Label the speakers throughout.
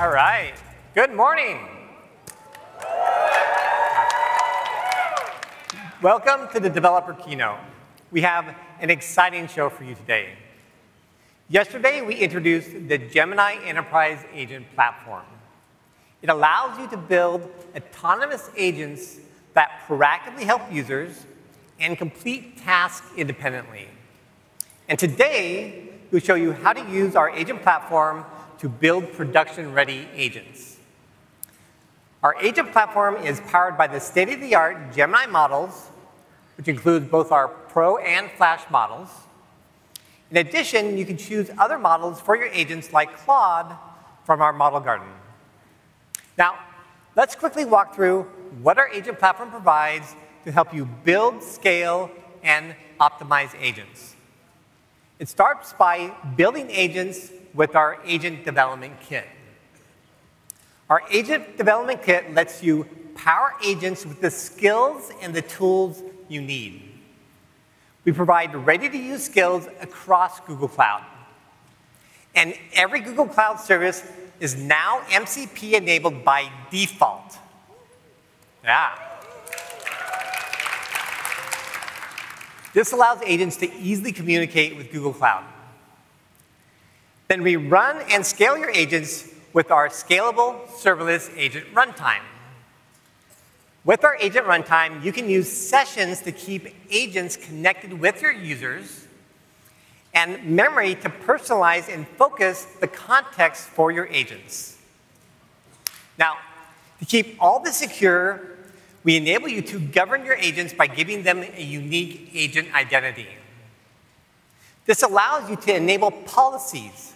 Speaker 1: All right. Good morning. Welcome to the Developer Keynote. We have an exciting show for you today. Yesterday, we introduced the Gemini Enterprise Agent Platform. It allows you to build autonomous agents that proactively help users and complete tasks independently. Today, we show you how to use our agent platform to build production-ready agents. Our agent platform is powered by the state-of-the-art Gemini models, which include both our Pro and Flash models. In addition, you can choose other models for your agents, like Claude, from our Model Garden. Now, let's quickly walk through what our agent platform provides to help you build, scale, and optimize agents. It starts by building agents with our Agent Development Kit. Our Agent Development Kit lets you power agents with the skills and the tools you need. We provide ready-to-use skills across Google Cloud, and every Google Cloud service is now MCP-enabled by default.
Speaker 2: Woo-hoo.
Speaker 1: Yeah. This allows agents to easily communicate with Google Cloud. We run and scale your agents with our scalable serverless Agent Runtime. With our Agent Runtime, you can use sessions to keep agents connected with your users and memory to personalize and focus the context for your agents. To keep all this secure, we enable you to govern your agents by giving them a unique Agent Identity. This allows you to enable policies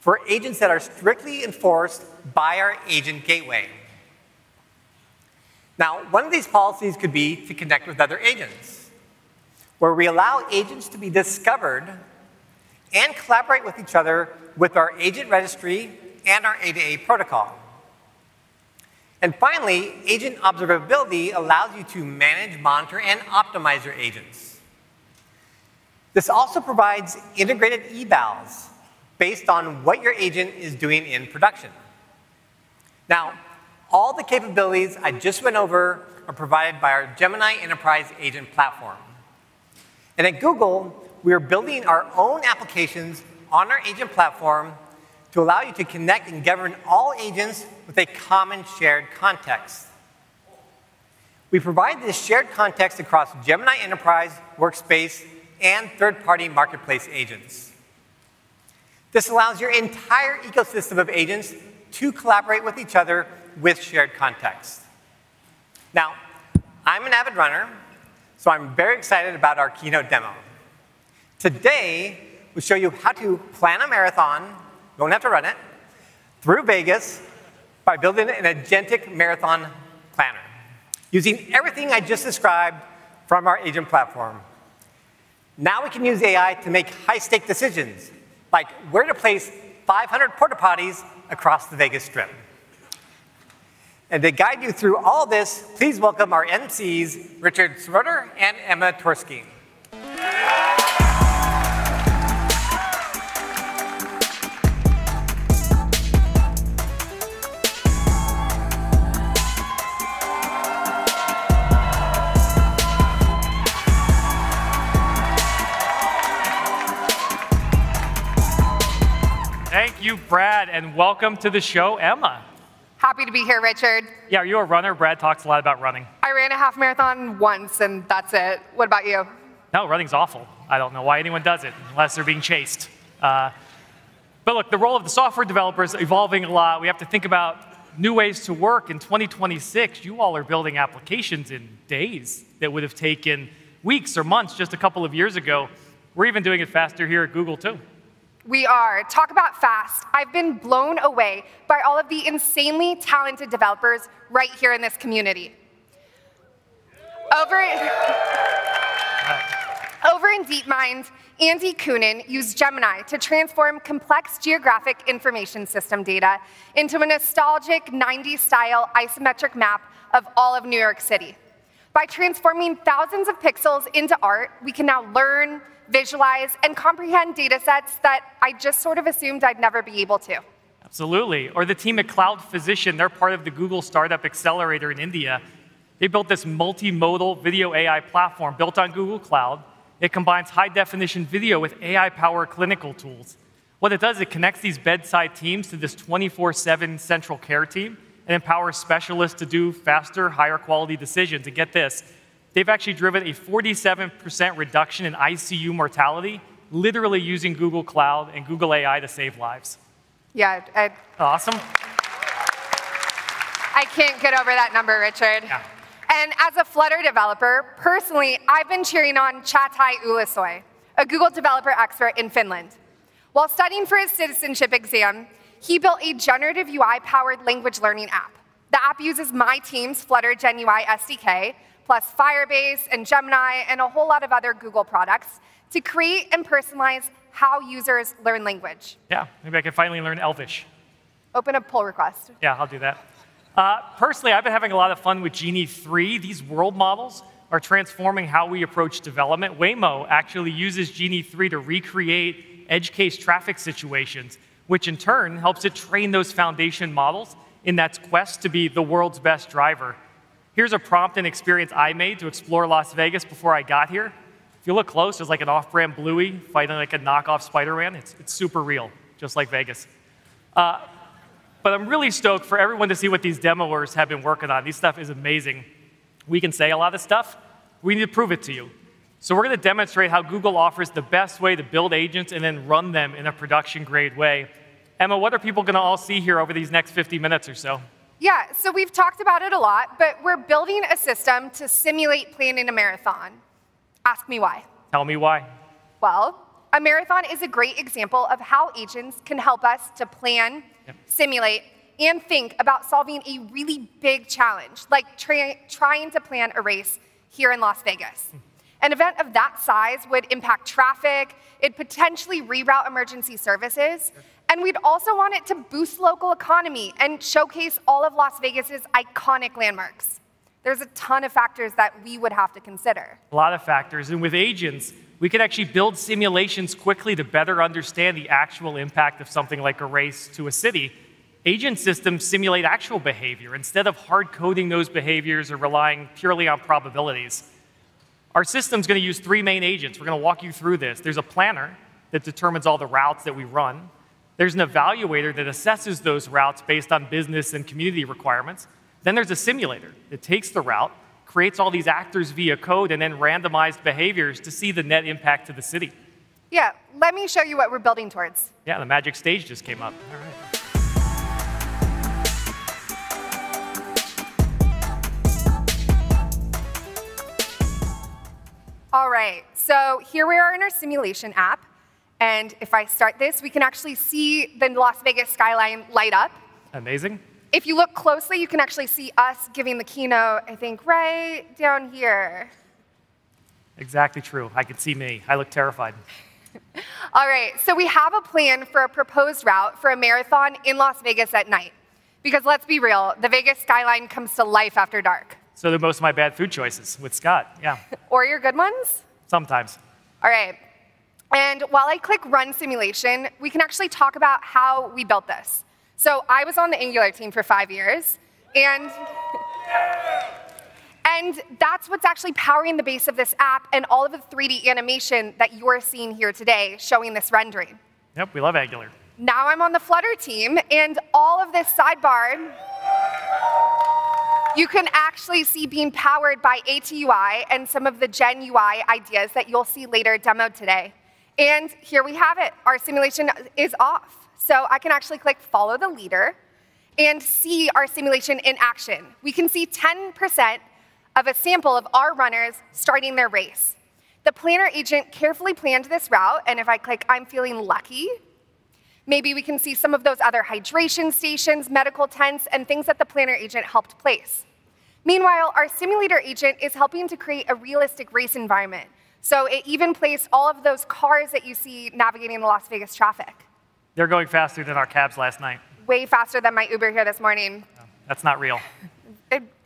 Speaker 1: for agents that are strictly enforced by our Agent Gateway. One of these policies could be to connect with other agents, where we allow agents to be discovered and collaborate with each other with our Agent Registry and our A2A protocol. Finally, agent observability allows you to manage, monitor, and optimize your agents. This also provides integrated evals based on what your agent is doing in production. Now, all the capabilities I just went over are provided by our Gemini Enterprise Agent Platform. At Google, we're building our own applications on our agent platform to allow you to connect and govern all agents with a common shared context. We provide this shared context across Gemini Enterprise, Workspace, and third-party marketplace agents. This allows your entire ecosystem of agents to collaborate with each other with shared context. Now, I'm an avid runner, so I'm very excited about our keynote demo. Today, we show you how to plan a marathon, you won't have to run it, through Vegas by building an agentic marathon planner, using everything I just described from our agent platform. Now we can use AI to make high-stakes decisions like where to place 500 porta-potties across the Vegas Strip. To guide you through all this, please welcome our emcees, Richard Seroter and Emma Twersky.
Speaker 3: Thank you, Brad, and welcome to the show, Emma.
Speaker 4: Happy to be here, Richard.
Speaker 3: Yeah. Are you a runner? Brad talks a lot about running.
Speaker 4: I ran a half marathon once, and that's it. What about you?
Speaker 3: No. Running's awful. I don't know why anyone does it, unless they're being chased. Look, the role of the software developer is evolving a lot. We have to think about new ways to work. In 2026, you all are building applications in days that would've taken weeks or months just a couple of years ago. We're even doing it faster here at Google, too.
Speaker 4: Talk about fast. I've been blown away by all of the insanely talented developers right here in this community. Over in DeepMind, Daniel Kunin used Gemini to transform complex geographic information system data into a nostalgic 1990s-style isometric map of all of New York City. By transforming thousands of pixels into art, we can now learn, visualize, and comprehend data sets that I just sort of assumed I'd never be able to.
Speaker 3: Absolutely. Or the team at Cloudphysician, they're part of the Google for Startups Accelerator in India. They built this multimodal video AI platform built on Google Cloud. It combines high-definition video with AI-powered clinical tools. What it does is it connects these bedside teams to this 24/7 central care team and empowers specialists to do faster, higher quality decisions. Get this, they've actually driven a 47% reduction in ICU mortality, literally using Google Cloud and Google AI to save lives.
Speaker 4: Yeah.
Speaker 3: Awesome.
Speaker 4: I can't get over that number, Richard.
Speaker 3: Yeah.
Speaker 4: As a Flutter developer, personally, I've been cheering on Cagatay Ulusoy, a Google Developer Expert in Finland. While studying for his citizenship exam, he built a generative UI-powered language learning app. The app uses my team's GenUI SDK for Flutter, plus Firebase and Gemini, and a whole lot of other Google products to create and personalize how users learn language.
Speaker 3: Yeah. Maybe I can finally learn Elvish.
Speaker 4: Open a pull request.
Speaker 3: Yeah, I'll do that. Personally, I've been having a lot of fun with Genie 3. These world models are transforming how we approach development. Waymo actually uses Genie 3 to recreate edge case traffic situations, which in turn helps it train those foundation models in that quest to be the world's best driver. Here's a prompt and experience I made to explore Las Vegas before I got here. If you look close, there's an off-brand Bluey fighting a knockoff Spider-Man. It's super real, just like Vegas. But I'm really stoked for everyone to see what these demoers have been working on. This stuff is amazing. We can say a lot of stuff. We need to prove it to you. We're going to demonstrate how Google offers the best way to build agents and then run them in a production-grade way. Emma, what are people going to all see here over these next 50 minutes or so?
Speaker 4: Yeah. We've talked about it a lot, but we're building a system to simulate planning a marathon. Ask me why.
Speaker 3: Tell me why.
Speaker 4: Well, a marathon is a great example of how agents can help us to plan.
Speaker 3: Yep
Speaker 4: Simulate, and think about solving a really big challenge, like trying to plan a race here in Las Vegas.
Speaker 3: Mm-hmm.
Speaker 4: An event of that size would impact traffic, it'd potentially reroute emergency services.
Speaker 3: Yep
Speaker 4: We'd also want it to boost local economy and showcase all of Las Vegas' iconic landmarks. There's a ton of factors that we would have to consider.
Speaker 3: A lot of factors. With agents, we could actually build simulations quickly to better understand the actual impact of something like a race to a city. Agent systems simulate actual behavior instead of hard-coding those behaviors or relying purely on probabilities. Our system's going to use three main agents. We're going to walk you through this. There's a planner that determines all the routes that we run. There's an evaluator that assesses those routes based on business and community requirements. There's a simulator that takes the route, creates all these actors via code, and then randomized behaviors to see the net impact to the city.
Speaker 4: Yeah. Let me show you what we're building towards.
Speaker 3: Yeah. The magic stage just came up. All right.
Speaker 4: All right. Here we are in our simulation app, and if I start this, we can actually see the Las Vegas skyline light up.
Speaker 3: Amazing.
Speaker 4: If you look closely, you can actually see us giving the keynote, I think right down here.
Speaker 3: Exactly true. I can see me. I look terrified.
Speaker 4: All right. We have a plan for a proposed route for a marathon in Las Vegas at night, because let's be real, the Vegas skyline comes to life after dark.
Speaker 3: Do most of my bad food choices with Scott. Yeah.
Speaker 4: Your good ones?
Speaker 3: Sometimes.
Speaker 4: All right. While I click Run Simulation, we can actually talk about how we built this. I was on the Angular team for five years, and that's what's actually powering the base of this app and all of the 3D animation that you're seeing here today showing this rendering.
Speaker 3: Yep, we love Angular.
Speaker 4: Now I'm on the Flutter team, and all of this you can actually see being powered by A2UI and some of the GenUI ideas that you'll see later demoed today. Here we have it. Our simulation is off, so I can actually click Follow the leader and see our simulation in action. We can see 10% of a sample of our runners starting their race. The planner agent carefully planned this route, and if I click I'm feeling lucky, maybe we can see some of those other hydration stations, medical tents, and things that the planner agent helped place. Meanwhile, our simulator agent is helping to create a realistic race environment, so it even placed all of those cars that you see navigating the Las Vegas traffic.
Speaker 3: They're going faster than our cabs last night.
Speaker 4: Way faster than my Uber here this morning.
Speaker 3: That's not real.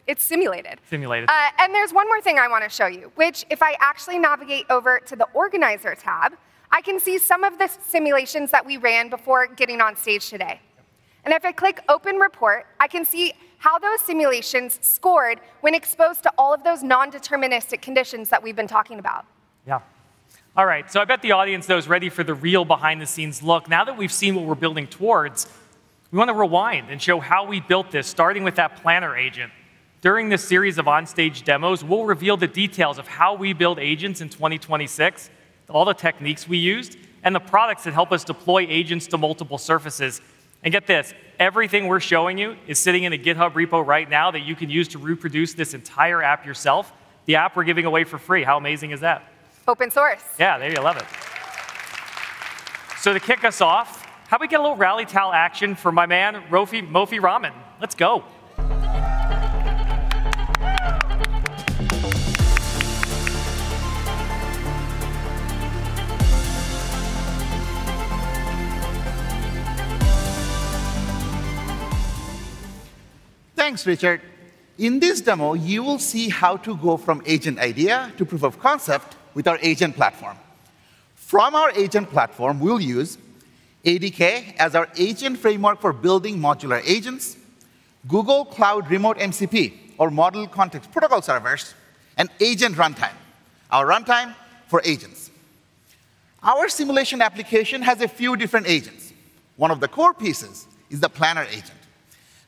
Speaker 4: It's simulated.
Speaker 3: Simulated.
Speaker 4: There's one more thing I want to show you, which if I actually navigate over to the organizer tab, I can see some of the simulations that we ran before getting on stage today. If I click open report, I can see how those simulations scored when exposed to all of those non-deterministic conditions that we've been talking about.
Speaker 3: Yeah. All right, I bet the audience, though, is ready for the real behind-the-scenes look. Now that we've seen what we're building towards, we want to rewind and show how we built this, starting with that planner agent. During this series of on-stage demos, we'll reveal the details of how we build agents in 2026, all the techniques we used, and the products that help us deploy agents to multiple surfaces. Get this, everything we're showing you is sitting in a GitHub repo right now that you can use to reproduce this entire app yourself, the app we're giving away for free. How amazing is that?
Speaker 4: Open source.
Speaker 3: Yeah. They're going to love it. To kick us off, how about we get a little rally towel action for my man, Mofi Rahman. Let's go.
Speaker 5: Thanks, Richard. In this demo, you will see how to go from agent idea to proof of concept with our agent platform. From our agent platform, we'll use ADK as our agent framework for building modular agents, Google Cloud remote MCP, or model context protocol servers, and Agent Runtime, our runtime for agents. Our simulation application has a few different agents. One of the core pieces is the planner agent.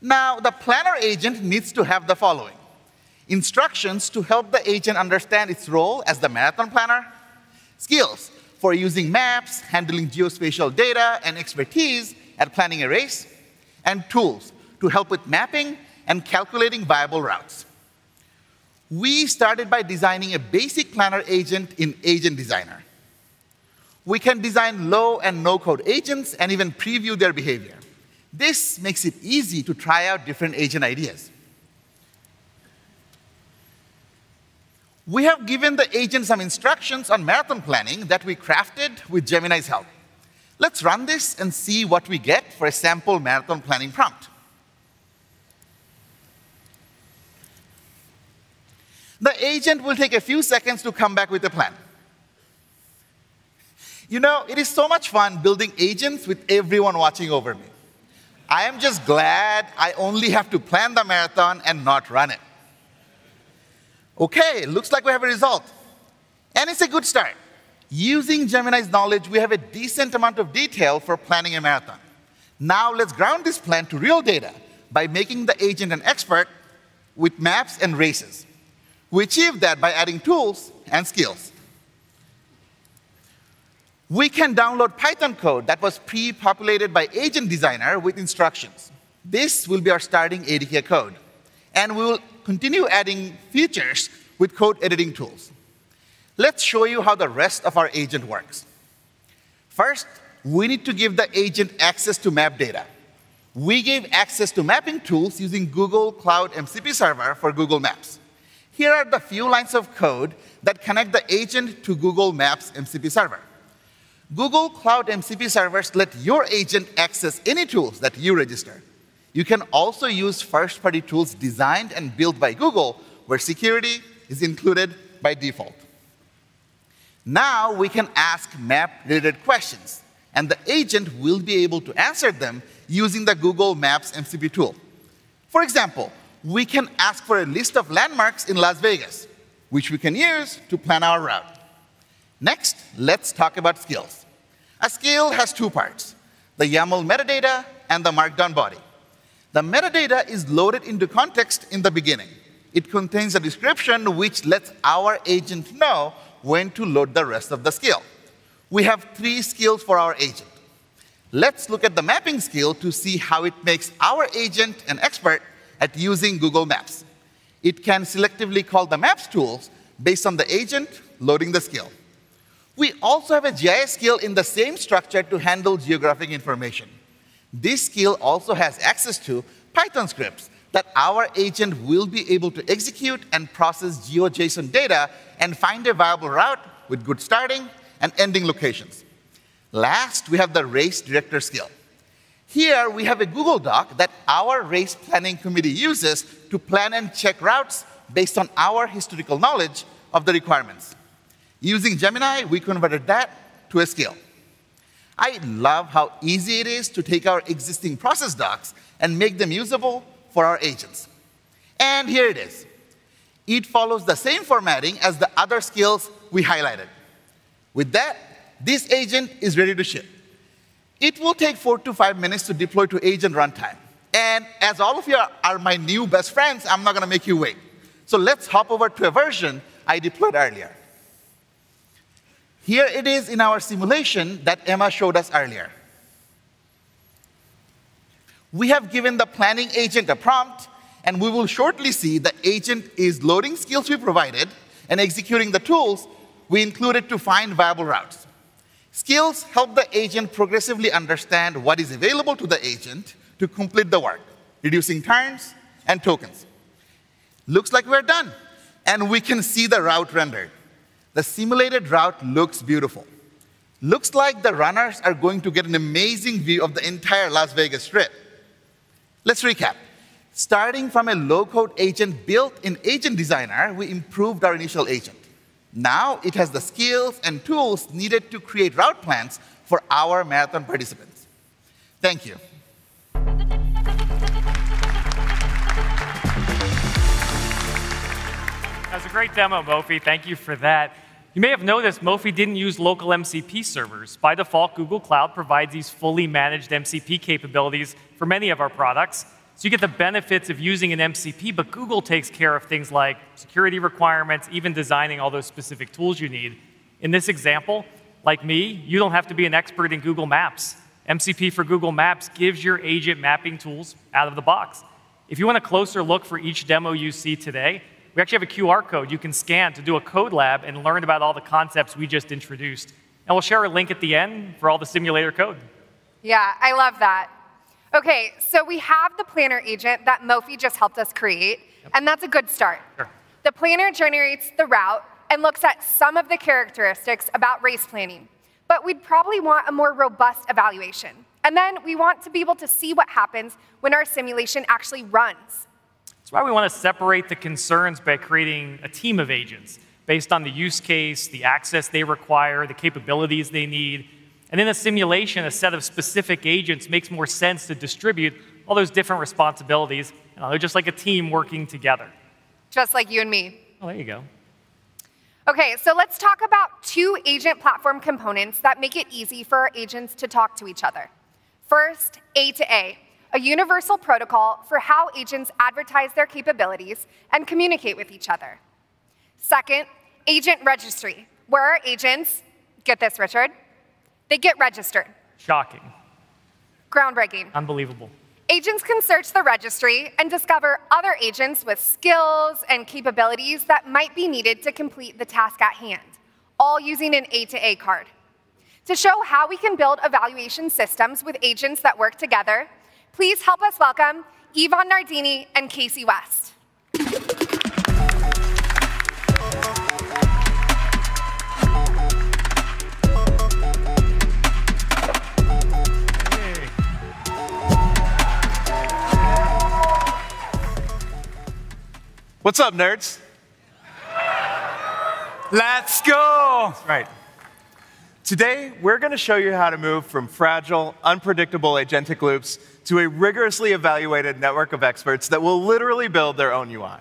Speaker 5: Now, the planner agent needs to have the following, instructions to help the agent understand its role as the marathon planner, skills for using maps, handling geospatial data, and expertise at planning a race, and tools to help with mapping and calculating viable routes. We started by designing a basic planner agent in Agent Designer. We can design low and no-code agents and even preview their behavior. This makes it easy to try out different agent ideas. We have given the agent some instructions on marathon planning that we crafted with Gemini's help. Let's run this and see what we get for a sample marathon planning prompt. The agent will take a few seconds to come back with a plan. It is so much fun building agents with everyone watching over me. I am just glad I only have to plan the marathon and not run it. Okay, looks like we have a result, and it's a good start. Using Gemini's knowledge, we have a decent amount of detail for planning a marathon. Now, let's ground this plan to real data by making the agent an expert with maps and races. We achieve that by adding tools and skills. We can download Python code that was pre-populated by Agent Designer with instructions. This will be our starting ADK code, and we will continue adding features with code editing tools. Let's show you how the rest of our agent works. First, we need to give the agent access to map data. We gave access to mapping tools using Google Cloud MCP server for Google Maps. Here are the few lines of code that connect the agent to Google Maps' MCP server. Google Cloud MCP servers let your agent access any tools that you register. You can also use first-party tools designed and built by Google, where security is included by default. Now, we can ask map-related questions, and the agent will be able to answer them using the Google Maps MCP tool. For example, we can ask for a list of landmarks in Las Vegas, which we can use to plan our route. Next, let's talk about skills. A skill has two parts, the YAML metadata and the Markdown body. The metadata is loaded into context in the beginning. It contains a description which lets our agent know when to load the rest of the skill. We have three skills for our agent. Let's look at the mapping skill to see how it makes our agent an expert at using Google Maps. It can selectively call the maps tools based on the agent loading the skill. We also have a GIS skill in the same structure to handle geographic information. This skill also has access to Python scripts that our agent will be able to execute and process GeoJSON data and find a viable route with good starting and ending locations. Last, we have the race director skill. Here, we have a Google Doc that our race planning committee uses to plan and check routes based on our historical knowledge of the requirements. Using Gemini, we converted that to a skill. I love how easy it is to take our existing process docs and make them usable for our agents. Here it is. It follows the same formatting as the other skills we highlighted. With that, this agent is ready to ship. It will take 4-5 minutes to deploy to Agent Runtime. As all of you are my new best friends, I'm not going to make you wait. Let's hop over to a version I deployed earlier. Here it is in our simulation that Emma showed us earlier. We have given the planning agent a prompt, and we will shortly see the agent is loading skills we provided and executing the tools we included to find viable routes. Skills help the agent progressively understand what is available to the agent to complete the work, reducing times and tokens. Looks like we're done, and we can see the route rendered. The simulated route looks beautiful. Looks like the runners are going to get an amazing view of the entire Las Vegas Strip. Let's recap. Starting from a low-code agent built in Agent Designer, we improved our initial agent. Now it has the skills and tools needed to create route plans for our marathon participants. Thank you.
Speaker 3: That's a great demo, Mofi. Thank you for that. You may have noticed Mofi didn't use local MCP servers. By default, Google Cloud provides these fully managed MCP capabilities for many of our products. So you get the benefits of using an MCP, but Google takes care of things like security requirements, even designing all those specific tools you need. In this example, like me, you don't have to be an expert in Google Maps. MCP for Google Maps gives your agent mapping tools out of the box. If you want a closer look for each demo you see today, we actually have a QR code you can scan to do a Codelab and learn about all the concepts we just introduced. We'll share a link at the end for all the simulator code.
Speaker 4: Yeah, I love that. Okay, we have the planner agent that Mofi just helped us create, and that's a good start.
Speaker 3: Sure.
Speaker 4: The planner generates the route and looks at some of the characteristics about race planning. We'd probably want a more robust evaluation. We want to be able to see what happens when our simulation actually runs.
Speaker 3: That's why we want to separate the concerns by creating a team of agents based on the use case, the access they require, the capabilities they need. In a simulation, a set of specific agents makes more sense to distribute all those different responsibilities, just like a team working together.
Speaker 4: Just like you and me.
Speaker 3: There you go.
Speaker 4: Okay. Let's talk about two Agent Platform components that make it easy for our agents to talk to each other. First, A2A, a universal protocol for how agents advertise their capabilities and communicate with each other. Second, Agent Registry, where our agents, get this, Richard, they get registered.
Speaker 3: Shocking.
Speaker 4: Groundbreaking.
Speaker 3: Unbelievable.
Speaker 4: Agents can search the registry and discover other agents with skills and capabilities that might be needed to complete the task at hand, all using an A2A card. To show how we can build evaluation systems with agents that work together, please help us welcome Ivan Nardini and Casey West.
Speaker 6: What's up, nerds?
Speaker 7: Let's go.
Speaker 6: That's right. Today, we're going to show you how to move from fragile, unpredictable agentic loops to a rigorously evaluated network of experts that will literally build their own UI.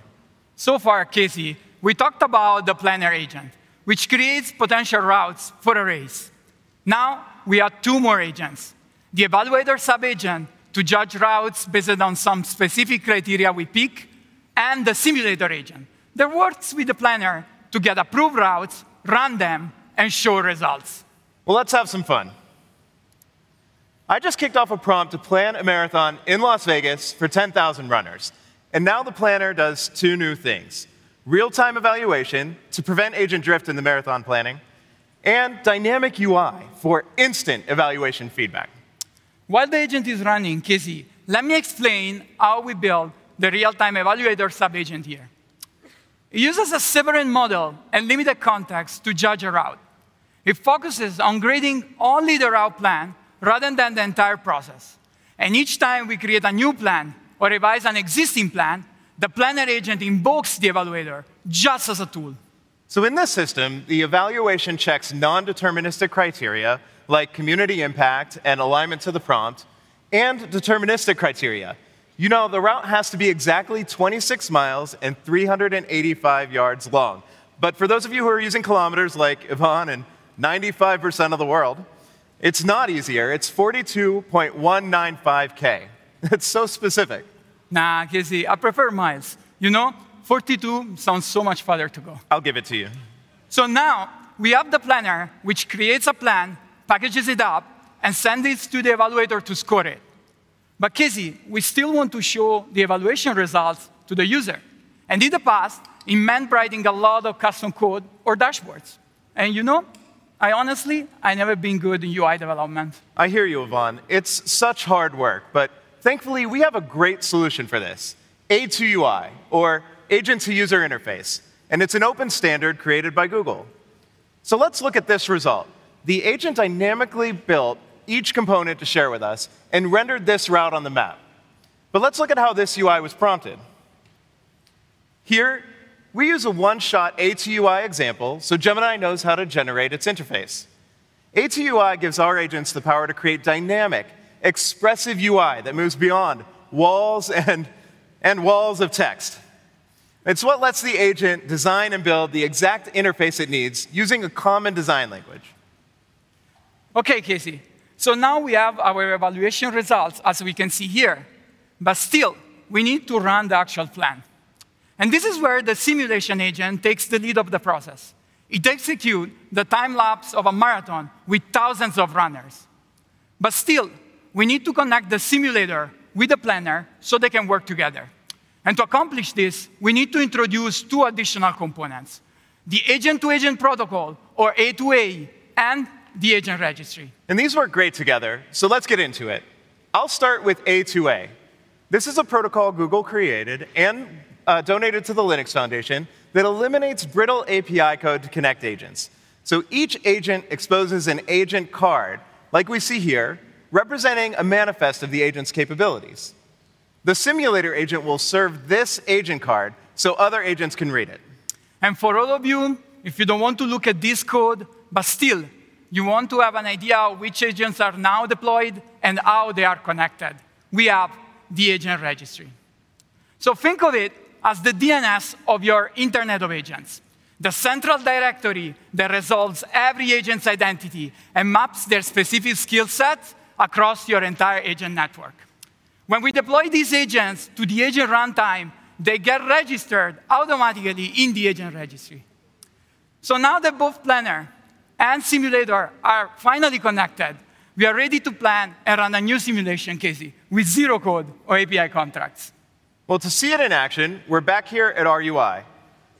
Speaker 7: Casey, we talked about the planner agent, which creates potential routes for a race. Now, we add two more agents, the evaluator sub-agent to judge routes based on some specific criteria we pick, and the simulator agent that works with the planner to get approved routes, run them, and show results.
Speaker 6: Well, let's have some fun. I just kicked off a prompt to plan a marathon in Las Vegas for 10,000 runners, and now the planner does two new things. Real-time evaluation to prevent agent drift in the marathon planning, and dynamic UI for instant evaluation feedback.
Speaker 7: While the agent is running, Casey, let me explain how we build the real-time evaluator sub-agent here. It uses a separate model and limited context to judge a route. It focuses on grading only the route plan rather than the entire process. Each time we create a new plan or revise an existing plan, the planner agent invokes the evaluator just as a tool.
Speaker 6: In this system, the evaluation checks non-deterministic criteria like community impact and alignment to the prompt, and deterministic criteria. You know, the route has to be exactly 26 miles and 385 yards long. For those of you who are using kilometers like Ivan and 95% of the world, it's not easier. It's 42.195 km. It's so specific.
Speaker 7: Nah, Casey, I prefer miles. You know, 42 sounds so much farther to go.
Speaker 6: I'll give it to you.
Speaker 7: Now we have the planner, which creates a plan, packages it up, and sends it to the evaluator to score it. Casey, we still want to show the evaluation results to the user. In the past, it meant writing a lot of custom code or dashboards. You know, I honestly, I've never been good in UI development.
Speaker 6: I hear you, Ivan. It's such hard work, but thankfully, we have a great solution for this. A2UI, or agent to user interface, and it's an open standard created by Google. Let's look at this result. The agent dynamically built each component to share with us and rendered this route on the map. Let's look at how this UI was prompted. Here, we use a one-shot A2UI example, so Gemini knows how to generate its interface. A2UI gives our agents the power to create dynamic, expressive UI that moves beyond walls and walls of text. It's what lets the agent design and build the exact interface it needs using a common design language.
Speaker 7: Okay, Casey. Now we have our evaluation results, as we can see here. Still, we need to run the actual plan. This is where the simulation agent takes the lead of the process. It executes the time lapse of a marathon with thousands of runners. Still, we need to connect the simulator with the planner so they can work together. To accomplish this, we need to introduce two additional components. The Agent-to-Agent Protocol, or A2A, and the Agent Registry.
Speaker 6: These work great together, so let's get into it. I'll start with A2A. This is a protocol Google created and donated to the Linux Foundation that eliminates brittle API code to connect agents. Each agent exposes an agent card like we see here, representing a manifest of the agent's capabilities. The simulator agent will serve this agent card so other agents can read it.
Speaker 7: For all of you, if you don't want to look at this code, but still you want to have an idea of which agents are now deployed and how they are connected, we have the Agent Registry. Think of it as the DNS of your internet of agents. The central directory that resolves every agent's identity and maps their specific skill sets across your entire agent network. When we deploy these agents to the Agent Runtime, they get registered automatically in the Agent Registry. Now that both planner and simulator are finally connected, we are ready to plan and run a new simulation, Casey, with zero code or API contracts.
Speaker 6: Well, to see it in action, we're back here at our UI,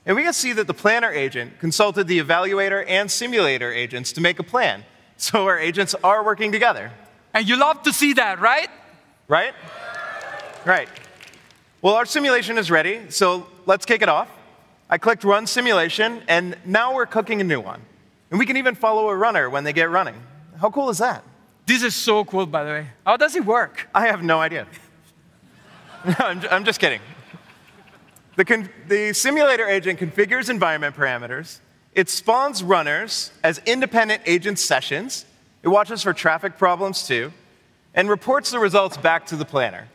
Speaker 6: and we can see that the planner agent consulted the evaluator and simulator agents to make a plan. Our agents are working together.
Speaker 7: You love to see that, right?
Speaker 6: Right. Well, our simulation is ready, so let's kick it off. I clicked Run Simulation, and now we're cooking a new one. We can even follow a runner when they get running. How cool is that?
Speaker 7: This is so cool, by the way. How does it work?
Speaker 6: I have no idea. No, I'm just kidding. The simulator agent configures environment parameters. It spawns runners as independent agent sessions. It watches for traffic problems too, and reports the results back to the planner.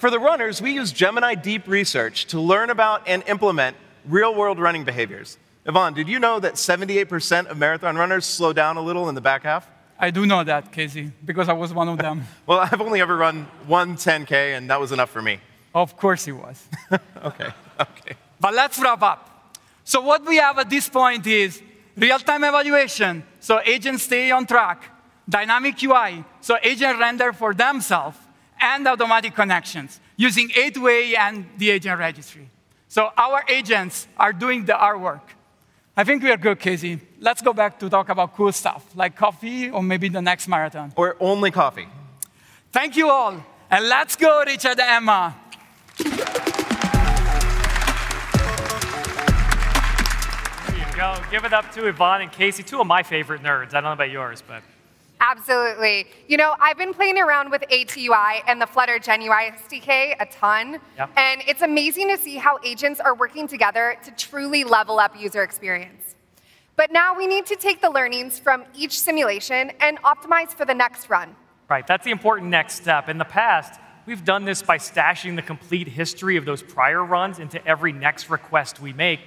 Speaker 6: For the runners, we use Gemini Deep Research to learn about and implement real-world running behaviors. Ivan, did you know that 78% of marathon runners slow down a little in the back half?
Speaker 7: I do know that, Casey, because I was one of them.
Speaker 6: Well, I've only ever run one 10,000K, and that was enough for me.
Speaker 7: Of course it was.
Speaker 6: Okay.
Speaker 7: Let's wrap up. What we have at this point is real-time evaluation, so agents stay on track, dynamic UI, so agents render for themselves, and automatic connections using A2A and the Agent Registry. Our agents are doing our work. I think we are good, Casey. Let's go back to talk about cool stuff like coffee or maybe the next marathon.
Speaker 6: Only coffee.
Speaker 7: Thank you all, and let's go, Richard and Emma.
Speaker 3: Give it up to Ivan and Casey, two of my favorite nerds. I don't know about yours, but.
Speaker 4: Absolutely. I've been playing around with A2UI and the Flutter GenUI SDK a ton.
Speaker 3: Yep.
Speaker 4: It's amazing to see how agents are working together to truly level up user experience. Now we need to take the learnings from each simulation and optimize for the next run.
Speaker 3: Right. That's the important next step. In the past, we've done this by stashing the complete history of those prior runs into every next request we make.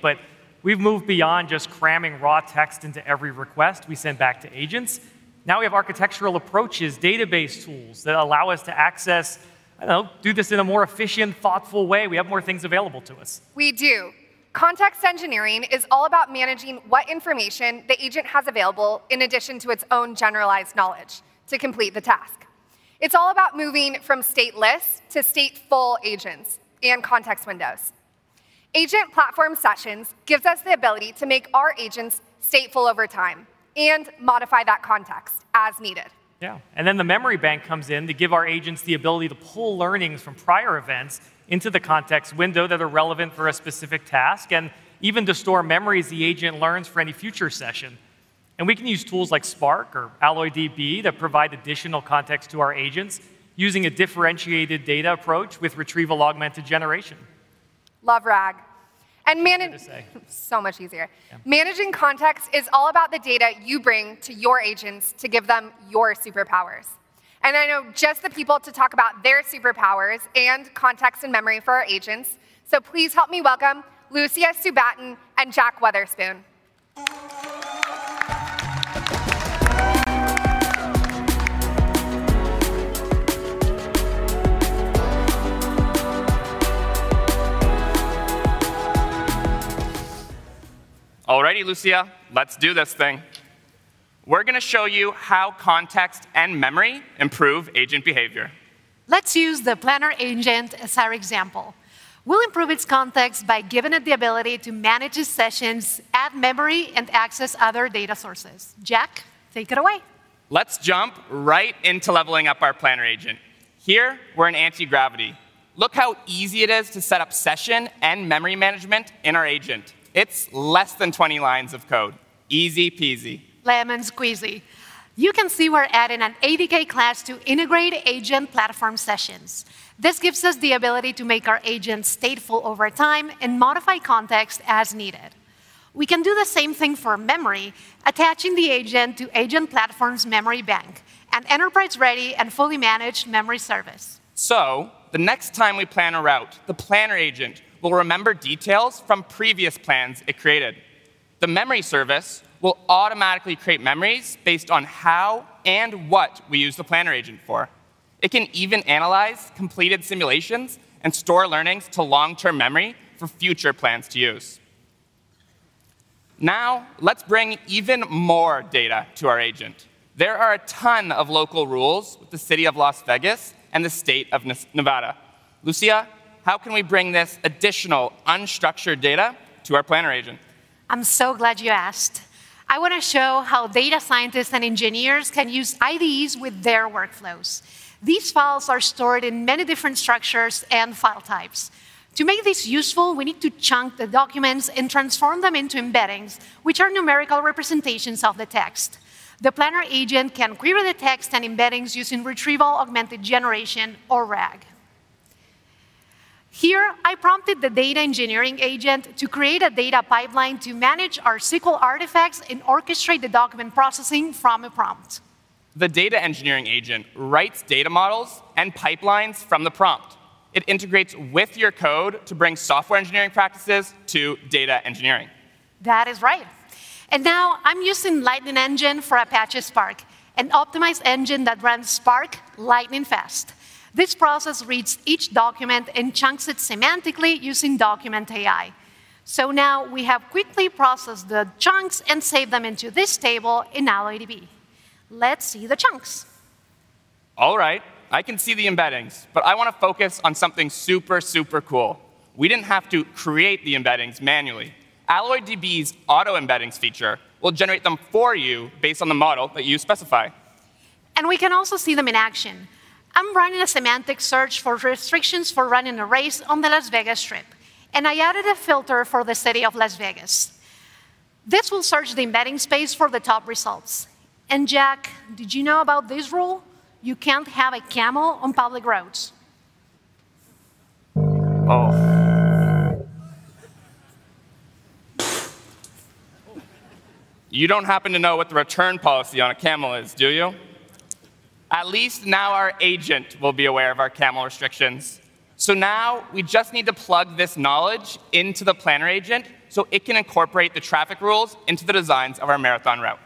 Speaker 3: We've moved beyond just cramming raw text into every request we send back to agents. Now we have architectural approaches, database tools, that allow us to access, I don't know, do this in a more efficient, thoughtful way. We have more things available to us.
Speaker 4: We do. Context engineering is all about managing what information the agent has available in addition to its own generalized knowledge to complete the task. It's all about moving from stateless to stateful agents and context windows. Agent platform sessions gives us the ability to make our agents stateful over time and modify that context as needed.
Speaker 3: The memory bank comes in to give our agents the ability to pull learnings from prior events into the context window that are relevant for a specific task, and even to store memories the agent learns for any future session. We can use tools like Spark or AlloyDB that provide additional context to our agents using a differentiated data approach with Retrieval-Augmented Generation.
Speaker 4: Love RAG.
Speaker 3: That's easy to say.
Speaker 4: Much easier.
Speaker 3: Yeah.
Speaker 4: Managing context is all about the data you bring to your agents to give them your superpowers. I know just the people to talk about their superpowers and context and memory for our agents. Please help me welcome Lucia Subatin and Jack Wotherspoon.
Speaker 8: All righty, Lucia, let's do this thing. We're going to show you how context and memory improve agent behavior.
Speaker 9: Let's use the planner agent as our example. We'll improve its context by giving it the ability to manage its sessions, add memory, and access other data sources. Jack, take it away.
Speaker 8: Let's jump right into leveling up our planner agent. Here, we're in Google Antigravity. Look how easy it is to set up session and memory management in our agent. It's less than 20 lines of code. Easy-peasy.
Speaker 9: Lemon squeezy. You can see we're adding an ADK class to integrate agent platform sessions. This gives us the ability to make our agents stateful over time and modify context as needed. We can do the same thing for memory, attaching the agent to Agent Platform Memory Bank, an enterprise-ready and fully managed memory service.
Speaker 8: The next time we plan a route, the planner agent will remember details from previous plans it created. The memory service will automatically create memories based on how and what we use the planner agent for. It can even analyze completed simulations and store learnings to long-term memory for future plans to use. Now, let's bring even more data to our agent. There are a ton of local rules with the city of Las Vegas and the state of Nevada. Lucia, how can we bring this additional unstructured data to our planner agent?
Speaker 9: I'm so glad you asked. I want to show how data scientists and engineers can use IDEs with their workflows. These files are stored in many different structures and file types. To make this useful, we need to chunk the documents and transform them into embeddings, which are numerical representations of the text. The planner agent can query the text and embeddings using Retrieval-Augmented Generation, or RAG. Here, I prompted the Data Engineering Agent to create a data pipeline to manage our SQL artifacts and orchestrate the document processing from a prompt.
Speaker 8: The Data Engineering Agent writes data models and pipelines from the prompt. It integrates with your code to bring software engineering practices to data engineering.
Speaker 9: That is right. Now I'm using Lightning Engine for Apache Spark, an optimized engine that runs Spark lightning fast. This process reads each document and chunks it semantically using Document AI. Now we have quickly processed the chunks and saved them into this table in AlloyDB. Let's see the chunks.
Speaker 8: All right. I can see the embeddings, but I want to focus on something super cool. We didn't have to create the embeddings manually. AlloyDB's auto-embeddings feature will generate them for you based on the model that you specify.
Speaker 9: We can also see them in action. I'm running a semantic search for restrictions for running a race on the Las Vegas Strip, and I added a filter for the city of Las Vegas. This will search the embedding space for the top results. Jack, did you know about this rule? You can't have a camel on public roads.
Speaker 8: Oh. You don't happen to know what the return policy on a camel is, do you? At least now our agent will be aware of our camel restrictions. Now we just need to plug this knowledge into the planner agent so it can incorporate the traffic rules into the designs of our marathon route.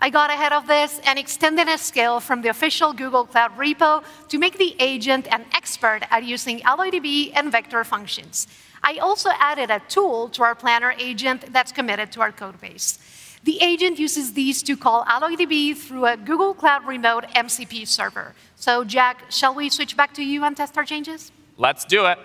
Speaker 9: I got ahead of this and extended a scale from the official Google Cloud repo to make the agent an expert at using AlloyDB and vector functions. I also added a tool to our planner agent that's committed to our code base. The agent uses these to call AlloyDB through a Google Cloud remote MCP server. Jack, shall we switch back to you and test our changes?
Speaker 8: Let's do it.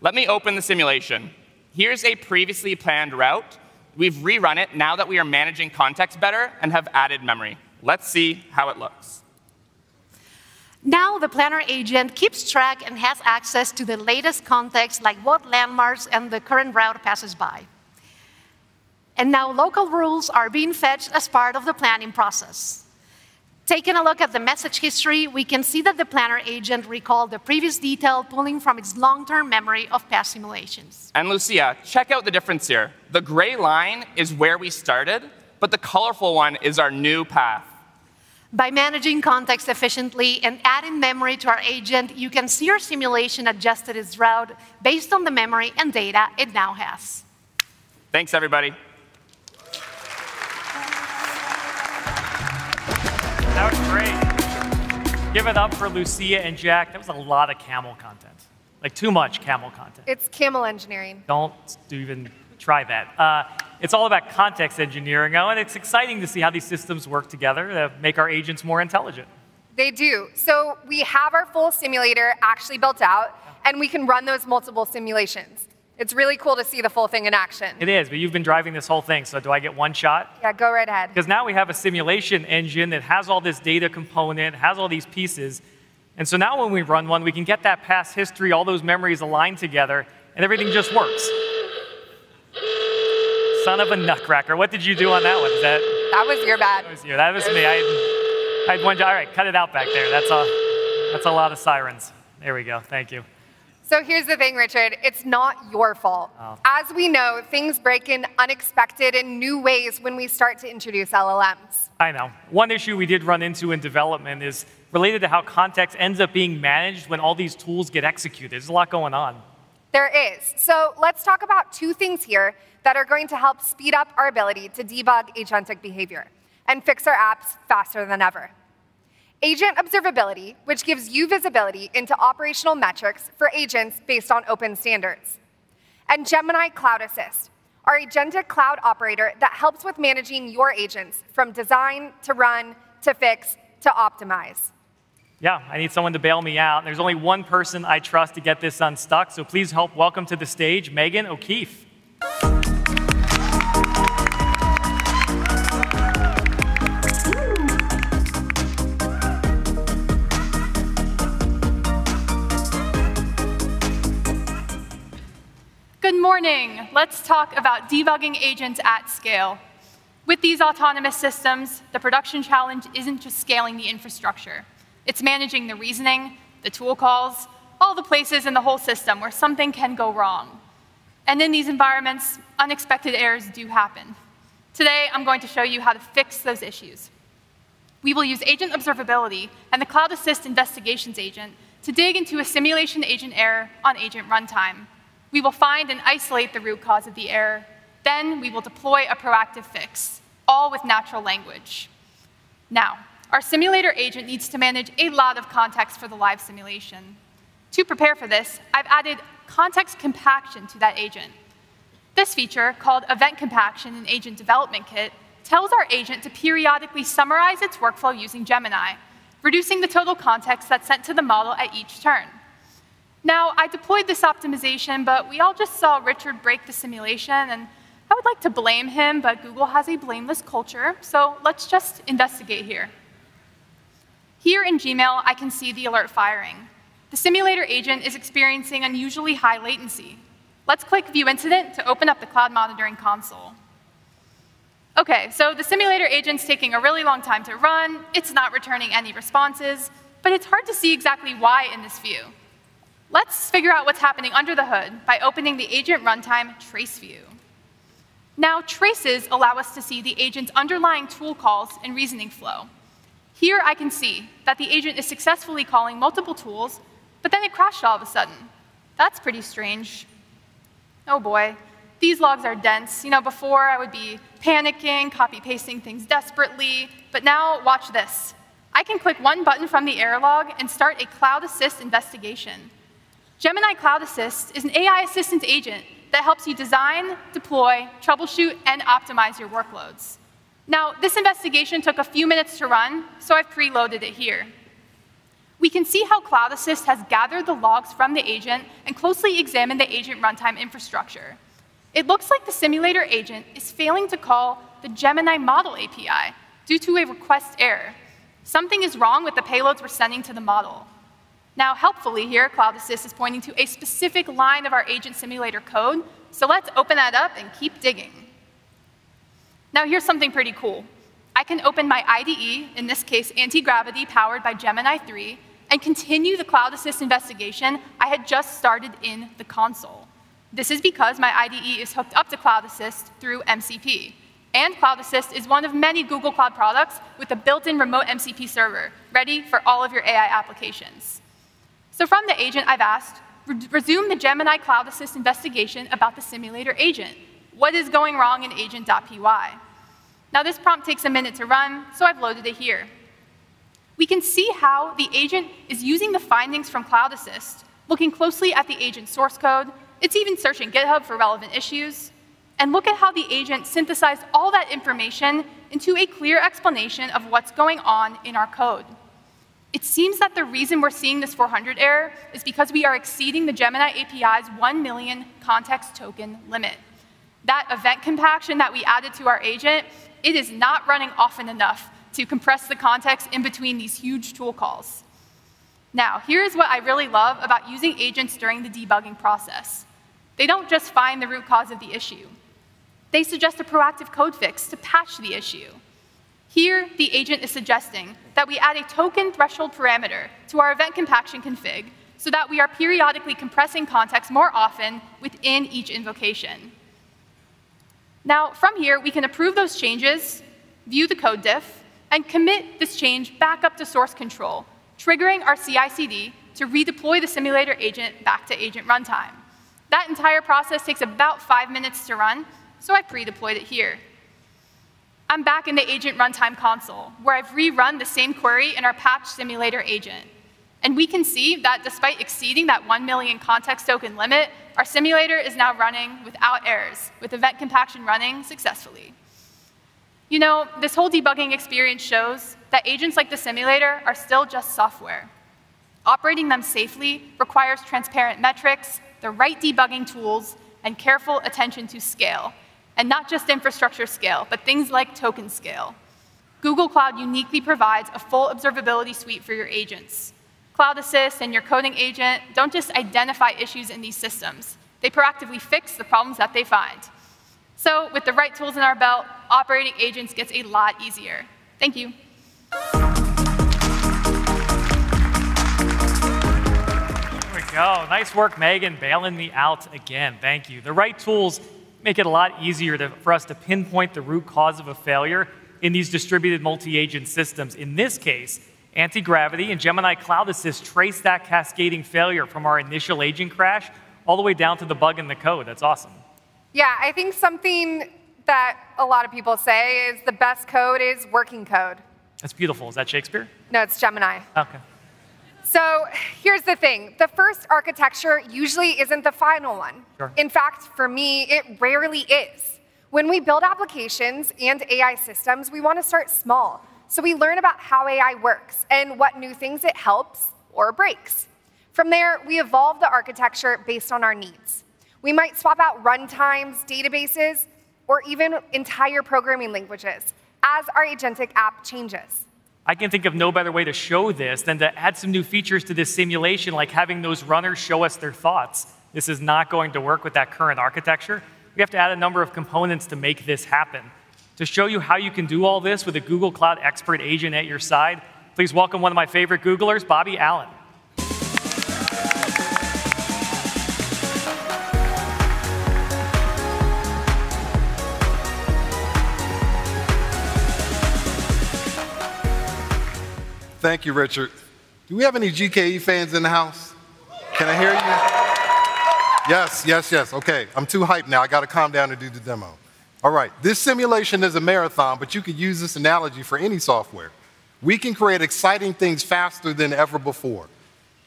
Speaker 8: Let me open the simulation. Here's a previously planned route. We've rerun it now that we are managing context better and have added memory. Let's see how it looks.
Speaker 9: Now the planner agent keeps track and has access to the latest context, like what landmarks and the current route passes by. Now local rules are being fetched as part of the planning process. Taking a look at the message history, we can see that the planner agent recalled the previous detail, pulling from its long-term memory of past simulations.
Speaker 8: Lucia, check out the difference here. The gray line is where we started, but the colorful one is our new path.
Speaker 9: By managing context efficiently and adding memory to our agent, you can see our simulation adjusted its route based on the memory and data it now has.
Speaker 8: Thanks, everybody.
Speaker 3: That was great. Give it up for Lucia and Jack. That was a lot of camel content. Too much camel content.
Speaker 4: It's camel engineering.
Speaker 3: Don't even try that. It's all about context engineering, though, and it's exciting to see how these systems work together that make our agents more intelligent.
Speaker 4: They do. We have our full simulator actually built out, and we can run those multiple simulations. It's really cool to see the full thing in action.
Speaker 3: It is, but you've been driving this whole thing, so do I get one shot?
Speaker 4: Yeah, go right ahead.
Speaker 3: Now we have a simulation engine that has all this data component, has all these pieces, and so now when we run one, we can get that past history, all those memories aligned together, and everything just works. Son of a nutcracker. What did you do on that one? Is that-
Speaker 4: That was your bad.
Speaker 3: That was me. All right, cut it out back there. That's a lot of sirens. There we go. Thank you.
Speaker 4: Here's the thing, Richard, it's not your fault.
Speaker 3: Oh.
Speaker 4: As we know, things break in unexpected and new ways when we start to introduce LLMs.
Speaker 3: I know. One issue we did run into in development is related to how context ends up being managed when all these tools get executed. There's a lot going on.
Speaker 4: There is. Let's talk about two things here that are going to help speed up our ability to debug agentic behavior and fix our apps faster than ever. Agent observability, which gives you visibility into operational metrics for agents based on open standards, and Gemini Cloud Assist, our agentic cloud operator that helps with managing your agents from design to run, to fix, to optimize.
Speaker 3: Yeah. I need someone to bail me out, and there's only one person I trust to get this unstuck, so please help welcome to the stage Megan O'Keefe. Woo.
Speaker 10: Good morning. Let's talk about debugging agents at scale. With these autonomous systems, the production challenge isn't just scaling the infrastructure, it's managing the reasoning, the tool calls, all the places in the whole system where something can go wrong. In these environments, unexpected errors do happen. Today, I'm going to show you how to fix those issues. We will use agent observability and the Cloud Assist Investigations agent to dig into a simulation agent error on Agent Runtime. We will find and isolate the root cause of the error, then we will deploy a proactive fix, all with natural language. Now, our simulator agent needs to manage a lot of context for the live simulation. To prepare for this, I've added context compaction to that agent. This feature, called Event Compaction in Agent Development Kit, tells our agent to periodically summarize its workflow using Gemini, reducing the total context that's sent to the model at each turn. Now, I deployed this optimization, but we all just saw Richard break the simulation, and I would like to blame him, but Google has a blameless culture, so let's just investigate here. Here in Gmail, I can see the alert firing. The simulator agent is experiencing unusually high latency. Let's click view incident to open up the Cloud Monitoring console. Okay, so the simulator agent's taking a really long time to run. It's not returning any responses. But it's hard to see exactly why in this view. Let's figure out what's happening under the hood by opening the agent runtime trace view. Now, traces allow us to see the agent's underlying tool calls and reasoning flow. Here, I can see that the agent is successfully calling multiple tools, but then it crashed all of a sudden. That's pretty strange. Oh, boy. These logs are dense. You know, before, I would be panicking, copy-pasting things desperately. Now, watch this. I can click one button from the error log and start a Cloud Assist investigation. Gemini Cloud Assist is an AI assistant agent that helps you design, deploy, troubleshoot, and optimize your workloads. Now, this investigation took a few minutes to run, so I've preloaded it here. We can see how Cloud Assist has gathered the logs from the agent and closely examined the agent runtime infrastructure. It looks like the simulator agent is failing to call the Gemini model API due to a request error. Something is wrong with the payloads we're sending to the model. Now, helpfully here, Cloud Assist is pointing to a specific line of our agent simulator code. Let's open that up and keep digging. Now, here's something pretty cool. I can open my IDE, in this case Antigravity powered by Gemini 3, and continue the Cloud Assist investigation I had just started in the console. This is because my IDE is hooked up to Cloud Assist through MCP. Cloud Assist is one of many Google Cloud products with a built-in remote MCP server ready for all of your AI applications. From the agent I've asked, "Resume the Gemini Cloud Assist investigation about the simulator agent. What is going wrong in agent.py?" Now, this prompt takes a minute to run, so I've loaded it here. We can see how the agent is using the findings from Cloud Assist, looking closely at the agent source code. It's even searching GitHub for relevant issues. Look at how the agent synthesized all that information into a clear explanation of what's going on in our code. It seems that the reason we're seeing this 400 error is because we are exceeding the Gemini API's one million context token limit. That Event Compaction that we added to our agent, it is not running often enough to compress the context in between these huge tool calls. Now, here's what I really love about using agents during the debugging process. They don't just find the root cause of the issue. They suggest a proactive code fix to patch the issue. Here, the agent is suggesting that we add a token threshold parameter to our Event Compaction config so that we are periodically compressing context more often within each invocation. Now, from here, we can approve those changes, view the code diff, and commit this change back up to source control, triggering our CI/CD to redeploy the simulator agent back to Agent Runtime. That entire process takes about five minutes to run, so I pre-deployed it here. I'm back in the Agent Runtime console, where I've rerun the same query in our patched simulator agent, and we can see that despite exceeding that one million context token limit, our simulator is now running without errors, with Event Compaction running successfully. This whole debugging experience shows that agents like the simulator are still just software. Operating them safely requires transparent metrics, the right debugging tools, and careful attention to scale. Not just infrastructure scale, but things like token scale. Google Cloud uniquely provides a full observability suite for your agents. Cloud Assist and your coding agent don't just identify issues in these systems, they proactively fix the problems that they find. With the right tools in our belt, operating agents gets a lot easier. Thank you.
Speaker 3: Here we go. Nice work, Megan. Bailing me out again. Thank you. The right tools make it a lot easier for us to pinpoint the root cause of a failure in these distributed multi-agent systems. In this case, Antigravity and Gemini Cloud Assist traced that cascading failure from our initial agent crash all the way down to the bug in the code. That's awesome.
Speaker 4: Yeah, I think something that a lot of people say is the best code is working code.
Speaker 3: That's beautiful. Is that Shakespeare?
Speaker 4: No, it's Gemini.
Speaker 3: Okay.
Speaker 4: Here's the thing, the first architecture usually isn't the final one.
Speaker 3: Sure.
Speaker 4: In fact, for me, it rarely is. When we build applications and AI systems, we want to start small, so we learn about how AI works and what new things it helps or breaks. From there, we evolve the architecture based on our needs. We might swap out runtimes, databases, or even entire programming languages as our agentic app changes.
Speaker 3: I can think of no better way to show this than to add some new features to this simulation, like having those runners show us their thoughts. This is not going to work with that current architecture. We have to add a number of components to make this happen. To show you how you can do all this with a Google Cloud expert agent at your side, please welcome one of my favorite Googlers, Bobby Allen.
Speaker 11: Thank you, Richard. Do we have any GKE fans in the house? Can I hear you? Yes. Okay. I'm too hyped now, I got to calm down to do the demo. All right. This simulation is a marathon. You could use this analogy for any software. We can create exciting things faster than ever before.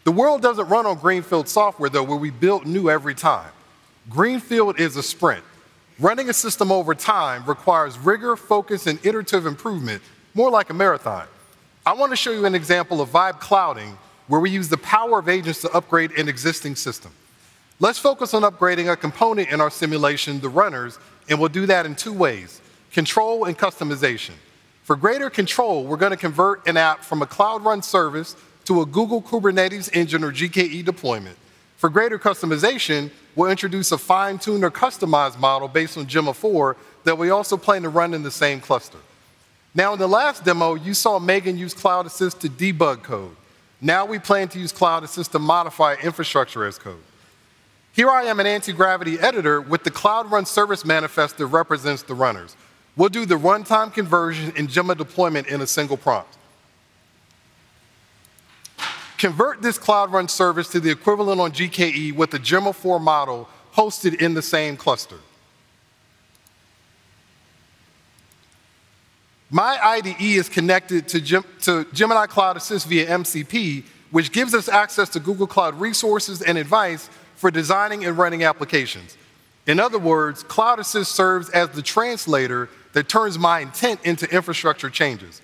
Speaker 11: The world doesn't run on greenfield software, though, where we build new every time. Greenfield is a sprint. Running a system over time requires rigor, focus, and iterative improvement, more like a marathon. I want to show you an example of live coding, where we use the power of agents to upgrade an existing system. Let's focus on upgrading a component in our simulation, the runners, and we'll do that in two ways, control and customization. For greater control, we're going to convert an app from a Cloud Run service to a Google Kubernetes Engine or GKE deployment. For greater customization, we'll introduce a fine-tuned or customized model based on Gemma 4 that we also plan to run in the same cluster. In the last demo, you saw Megan use Cloud Assist to debug code. We plan to use Cloud Assist to modify infrastructure as code. Here I am in Antigravity editor with the Cloud Run service manifest that represents the runners. We'll do the runtime conversion and Gemma deployment in a single prompt. Convert this Cloud Run service to the equivalent on GKE with the Gemma 4 model hosted in the same cluster. My IDE is connected to Gemini Cloud Assist via MCP, which gives us access to Google Cloud resources and advice for designing and running applications. In other words, Cloud Assist serves as the translator that turns my intent into infrastructure changes.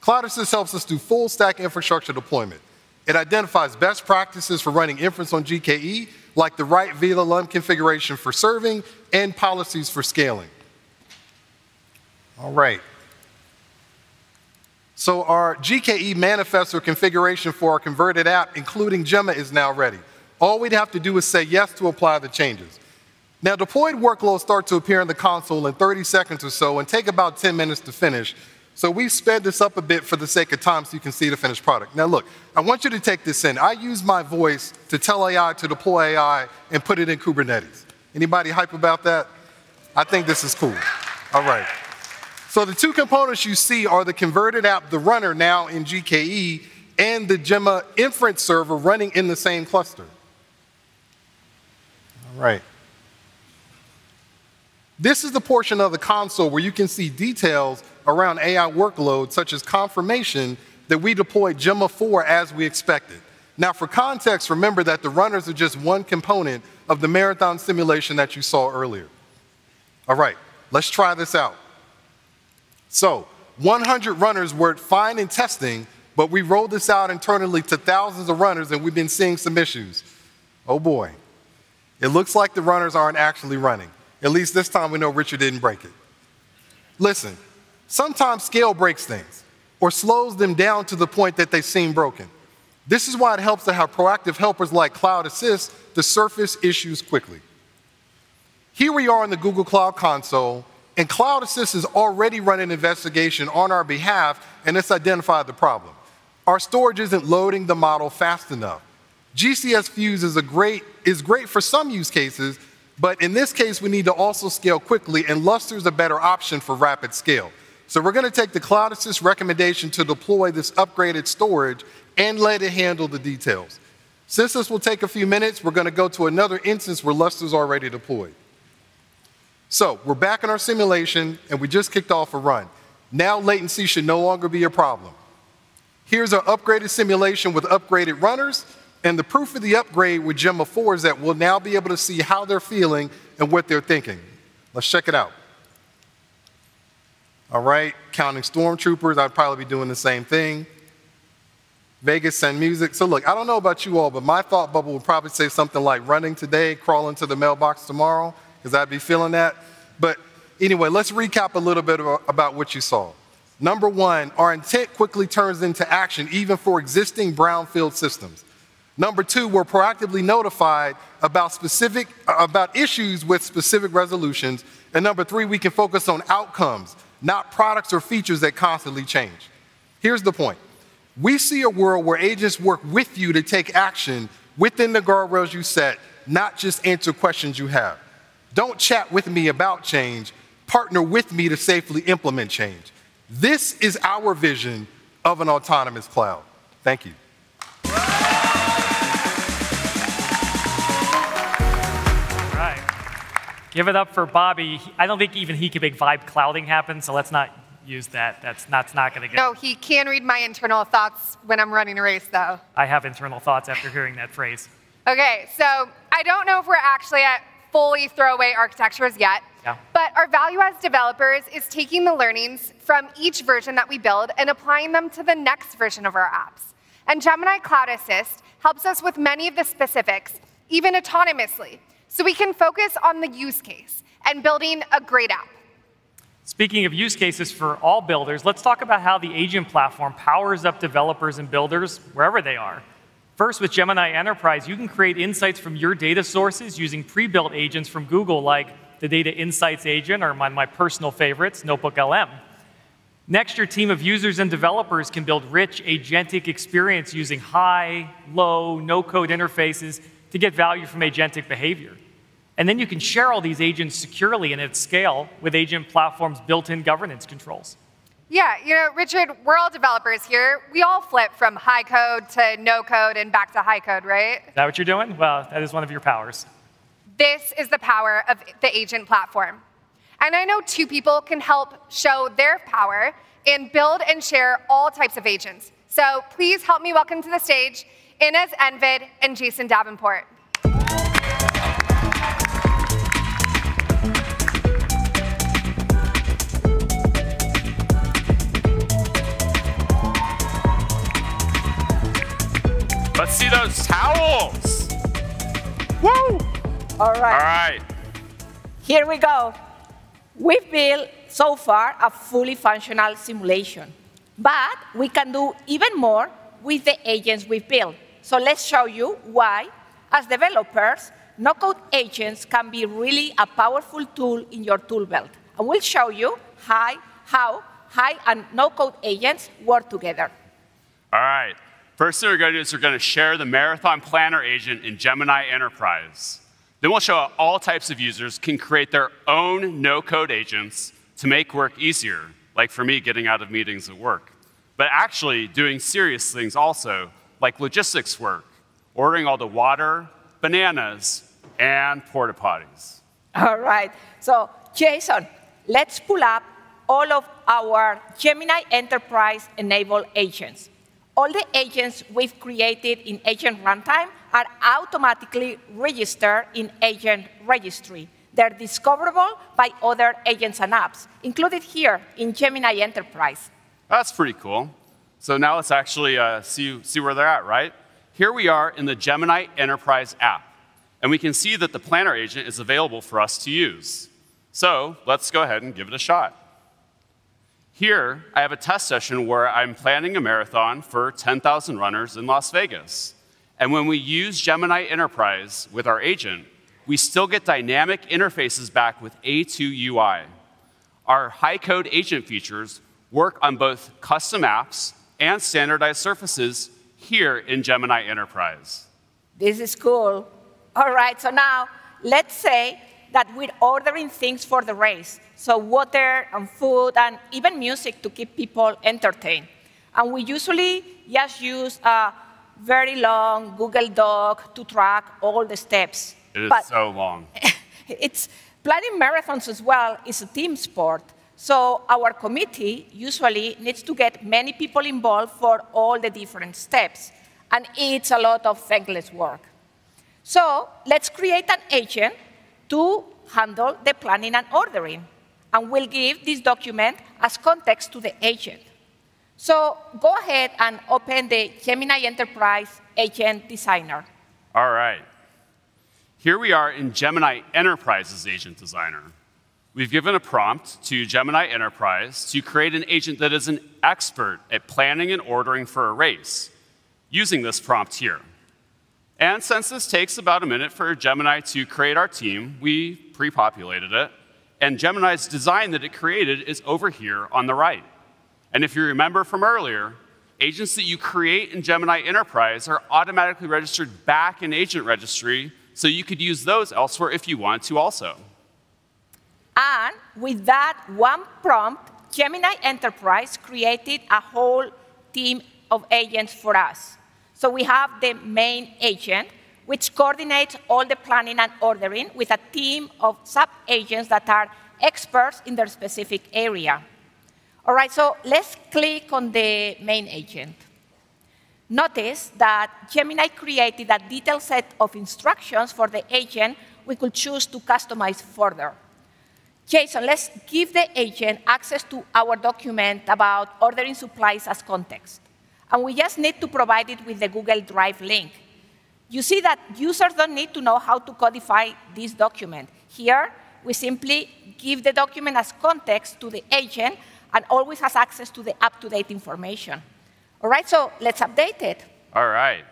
Speaker 11: Cloud Assist helps us do full stack infrastructure deployment. It identifies best practices for running inference on GKE, like the right vLLM configuration for serving and policies for scaling. All right. Our GKE manifest configuration for our converted app, including Gemma, is now ready. All we'd have to do is say yes to apply the changes. Now, deployed workloads start to appear in the console in 30 seconds or so and take about 10 minutes to finish. We've sped this up a bit for the sake of time so you can see the finished product. Now look, I want you to take this in. I used my voice to tell AI to deploy AI and put it in Kubernetes. Anybody hyped about that? I think this is cool. All right. The two components you see are the converted app, the runner now in GKE, and the Gemma inference server running in the same cluster. All right. This is the portion of the console where you can see details around AI workloads, such as confirmation that we deployed Gemma 4 as we expected. Now, for context, remember that the runners are just one component of the marathon simulation that you saw earlier. All right. Let's try this out. 100 runners worked fine in testing, but we rolled this out internally to thousands of runners, and we've been seeing some issues. Oh, boy. It looks like the runners aren't actually running. At least this time we know Richard didn't break it. Listen, sometimes scale breaks things or slows them down to the point that they seem broken. This is why it helps to have proactive helpers like Cloud Assist to surface issues quickly. Here we are in the Google Cloud console, and Cloud Assist has already run an investigation on our behalf, and it's identified the problem. Our storage isn't loading the model fast enough. GCS FUSE is great for some use cases, but in this case, we need to also scale quickly, and Lustre is a better option for rapid scale. We're going to take the Cloud Assist recommendation to deploy this upgraded storage and let it handle the details. Since this will take a few minutes, we're going to go to another instance where Lustre's already deployed. We're back in our simulation and we just kicked off a run. Now latency should no longer be a problem. Here's our upgraded simulation with upgraded runners, and the proof of the upgrade with Gemma 4 is that we'll now be able to see how they're feeling and what they're thinking. Let's check it out. All right, counting stormtroopers, I'd probably be doing the same thing. Vegas send music. Look, I don't know about you all, but my thought bubble would probably say something like, "Running today, crawl into the mailbox tomorrow," because I'd be feeling that. Anyway, let's recap a little bit about what you saw. Number one, our intent quickly turns into action, even for existing brownfield systems. Number two, we're proactively notified about issues with specific resolutions. Number three, we can focus on outcomes, not products or features that constantly change. Here's the point. We see a world where agents work with you to take action within the guardrails you set, not just answer questions you have. Don't chat with me about change, partner with me to safely implement change. This is our vision of an autonomous cloud. Thank you.
Speaker 3: All right. Give it up for Bobby. I don't think even he can make vibe clouding happen, so let's not use that.
Speaker 4: No, he can read my internal thoughts when I'm running a race, though.
Speaker 3: I have internal thoughts after hearing that phrase.
Speaker 4: Okay, I don't know if we're actually at fully throwaway architectures yet.
Speaker 3: Yeah.
Speaker 4: Our value as developers is taking the learnings from each version that we build and applying them to the next version of our apps. Gemini Cloud Assist helps us with many of the specifics, even autonomously. We can focus on the use case and building a great app.
Speaker 3: Speaking of use cases for all builders, let's talk about how the Agent Platform powers up developers and builders wherever they are. First, with Gemini Enterprise, you can create insights from your data sources using pre-built agents from Google, like the Data Insights Agent or my personal favorites, NotebookLM. Next, your team of users and developers can build rich agentic experience using high, low, no-code interfaces to get value from agentic behavior. You can share all these agents securely and at scale with Agent Platform's built-in governance controls.
Speaker 4: Yeah. Richard, we're all developers here. We all flip from low code to no code and back to low code, right?
Speaker 3: Is that what you're doing? Well, that is one of your powers.
Speaker 4: This is the power of the Agent Platform. I know two people can help show their power and build and share all types of agents. Please help me welcome to the stage, Ines Envid and Jason Davenport.
Speaker 12: Let's see those towels. Yay!
Speaker 13: All right.
Speaker 12: All right.
Speaker 13: Here we go. We've built, so far, a fully functional simulation. We can do even more with the agents we've built. Let's show you why, as developers, no-code agents can be really a powerful tool in your tool belt. We'll show you how low and no-code agents work together.
Speaker 12: All right. First thing we're going to do is share the Marathon Planner agent in Gemini Enterprise. We'll show how all types of users can create their own no-code agents to make work easier, like for me, getting out of meetings at work. Actually doing serious things also, like logistics work, ordering all the water, bananas, and porta potties.
Speaker 13: All right. Jason, let's pull up all of our Gemini Enterprise-enabled agents. All the agents we've created in Agent Runtime are automatically registered in Agent Registry. They're discoverable by other agents and apps, included here in Gemini Enterprise.
Speaker 12: That's pretty cool. Now let's actually see where they're at, right? Here we are in the Gemini Enterprise app, and we can see that the Planner Agent is available for us to use. Let's go ahead and give it a shot. Here, I have a test session where I'm planning a marathon for 10,000 runners in Las Vegas. When we use Gemini Enterprise with our agent, we still get dynamic interfaces back with A2 UI. Our low-code agent features work on both custom apps and standardized surfaces here in Gemini Enterprise.
Speaker 13: This is cool. All right, so now let's say that we're ordering things for the race, so water and food and even music to keep people entertained. We usually just use a very long Google Doc to track all the steps. But-
Speaker 12: It is so long.
Speaker 13: Planning marathons as well is a team sport, so our committee usually needs to get many people involved for all the different steps, and it's a lot of thankless work. Let's create an agent to handle the planning and ordering, and we'll give this document as context to the agent. Go ahead and open the Gemini Enterprise Agent Designer.
Speaker 12: All right. Here we are in Gemini Enterprise's Agent Designer. We've given a prompt to Gemini Enterprise to create an agent that is an expert at planning and ordering for a race using this prompt here. Since this takes about a minute for Gemini to create our team, we pre-populated it, and Gemini's design that it created is over here on the right. If you remember from earlier, agents that you create in Gemini Enterprise are automatically registered back in Agent Registry, so you could use those elsewhere if you want to also.
Speaker 13: With that one prompt, Gemini Enterprise created a whole team of agents for us. We have the main agent, which coordinates all the planning and ordering with a team of sub-agents that are experts in their specific area. All right, let's click on the main agent. Notice that Gemini created a detailed set of instructions for the agent we could choose to customize further. Jason, let's give the agent access to our document about ordering supplies as context. We just need to provide it with the Google Drive link. You see that users don't need to know how to codify this document. Here, we simply give the document as context to the agent and always has access to the up-to-date information. All right, let's update it.
Speaker 12: All right.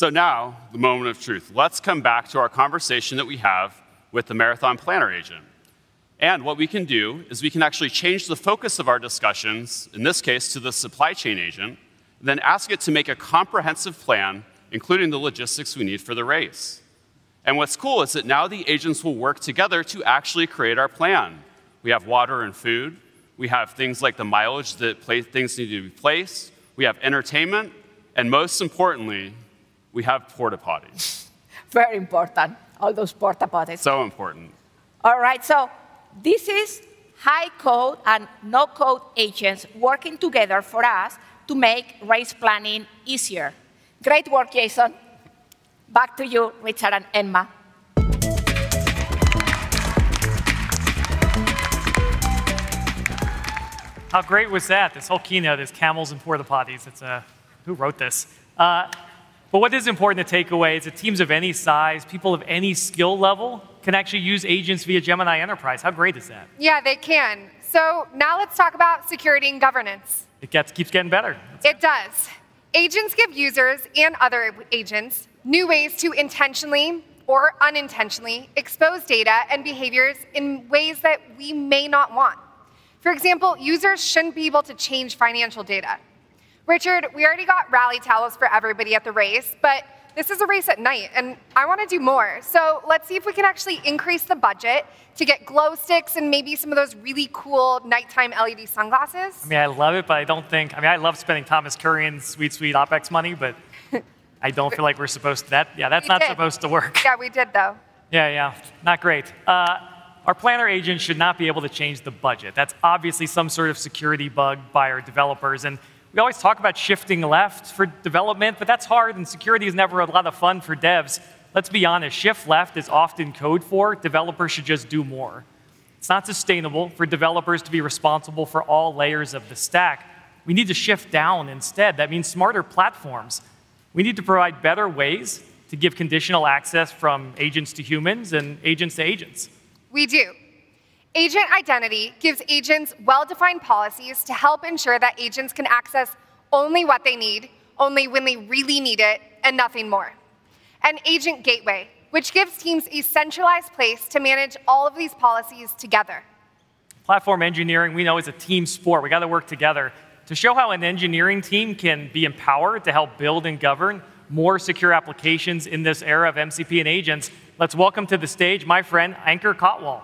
Speaker 12: Now the moment of truth. Let's come back to our conversation that we have with the marathon planner agent. What we can do is we can actually change the focus of our discussions, in this case, to the supply chain agent, then ask it to make a comprehensive plan, including the logistics we need for the race. What's cool is that now the agents will work together to actually create our plan. We have water and food, we have things like the mileage that things need to be in place, we have entertainment, and most importantly, we have porta potties.
Speaker 13: Very important. All those porta potties.
Speaker 3: Important.
Speaker 13: All right, this is low-code and no-code agents working together for us to make race planning easier. Great work, Jason. Back to you, Richard and Emma.
Speaker 3: How great was that? This whole keynote is camels and porta potties. Who wrote this? What is important to take away is that teams of any size, people of any skill level, can actually use agents via Gemini Enterprise. How great is that?
Speaker 4: Yeah, they can. Now let's talk about security and governance.
Speaker 3: It keeps getting better.
Speaker 4: It does. Agents give users and other agents new ways to intentionally or unintentionally expose data and behaviors in ways that we may not want. For example, users shouldn't be able to change financial data. Richard, we already got rally towels for everybody at the race, but this is a race at night and I want to do more. Let's see if we can actually increase the budget to get glow sticks and maybe some of those really cool nighttime LED sunglasses.
Speaker 3: I love spending Thomas Kurian's sweet OpEx money, but I don't feel like we're supposed to. Yeah, that's not supposed to work.
Speaker 4: Yeah, we did, though.
Speaker 3: Yeah. Not great. Our planner agent should not be able to change the budget. That's obviously some sort of security bug by our developers, and we always talk about shifting left for development, but that's hard and security is never a lot of fun for devs. Let's be honest, shift left is often code for developers should just do more. It's not sustainable for developers to be responsible for all layers of the stack. We need to shift down instead. That means smarter platforms. We need to provide better ways to give conditional access from agents to humans and agents to agents.
Speaker 4: We do. Agent Identity gives agents well-defined policies to help ensure that agents can access only what they need, only when they really need it, and nothing more. Agent Gateway, which gives teams a centralized place to manage all of these policies together.
Speaker 3: Platform engineering, we know, is a team sport. We've got to work together. To show how an engineering team can be empowered to help build and govern more secure applications in this era of MCP and agents, let's welcome to the stage my friend, Ankur Kotwal.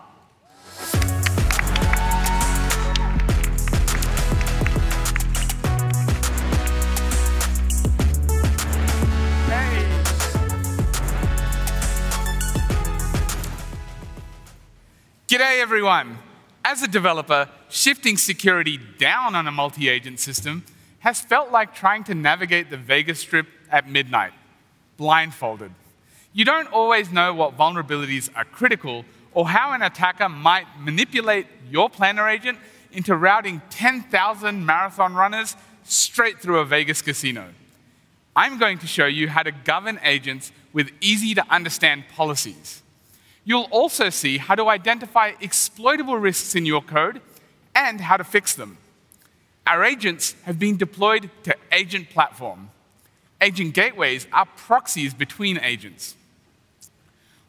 Speaker 3: Hey.
Speaker 14: G'day, everyone. As a developer, shifting security down on a multi-agent system has felt like trying to navigate the Vegas Strip at midnight, blindfolded. You don't always know what vulnerabilities are critical or how an attacker might manipulate your planner agent into routing 10,000 marathon runners straight through a Vegas casino. I'm going to show you how to govern agents with easy-to-understand policies. You'll also see how to identify exploitable risks in your code and how to fix them. Our agents have been deployed to Agent Platform. Agent Gateways are proxies between agents.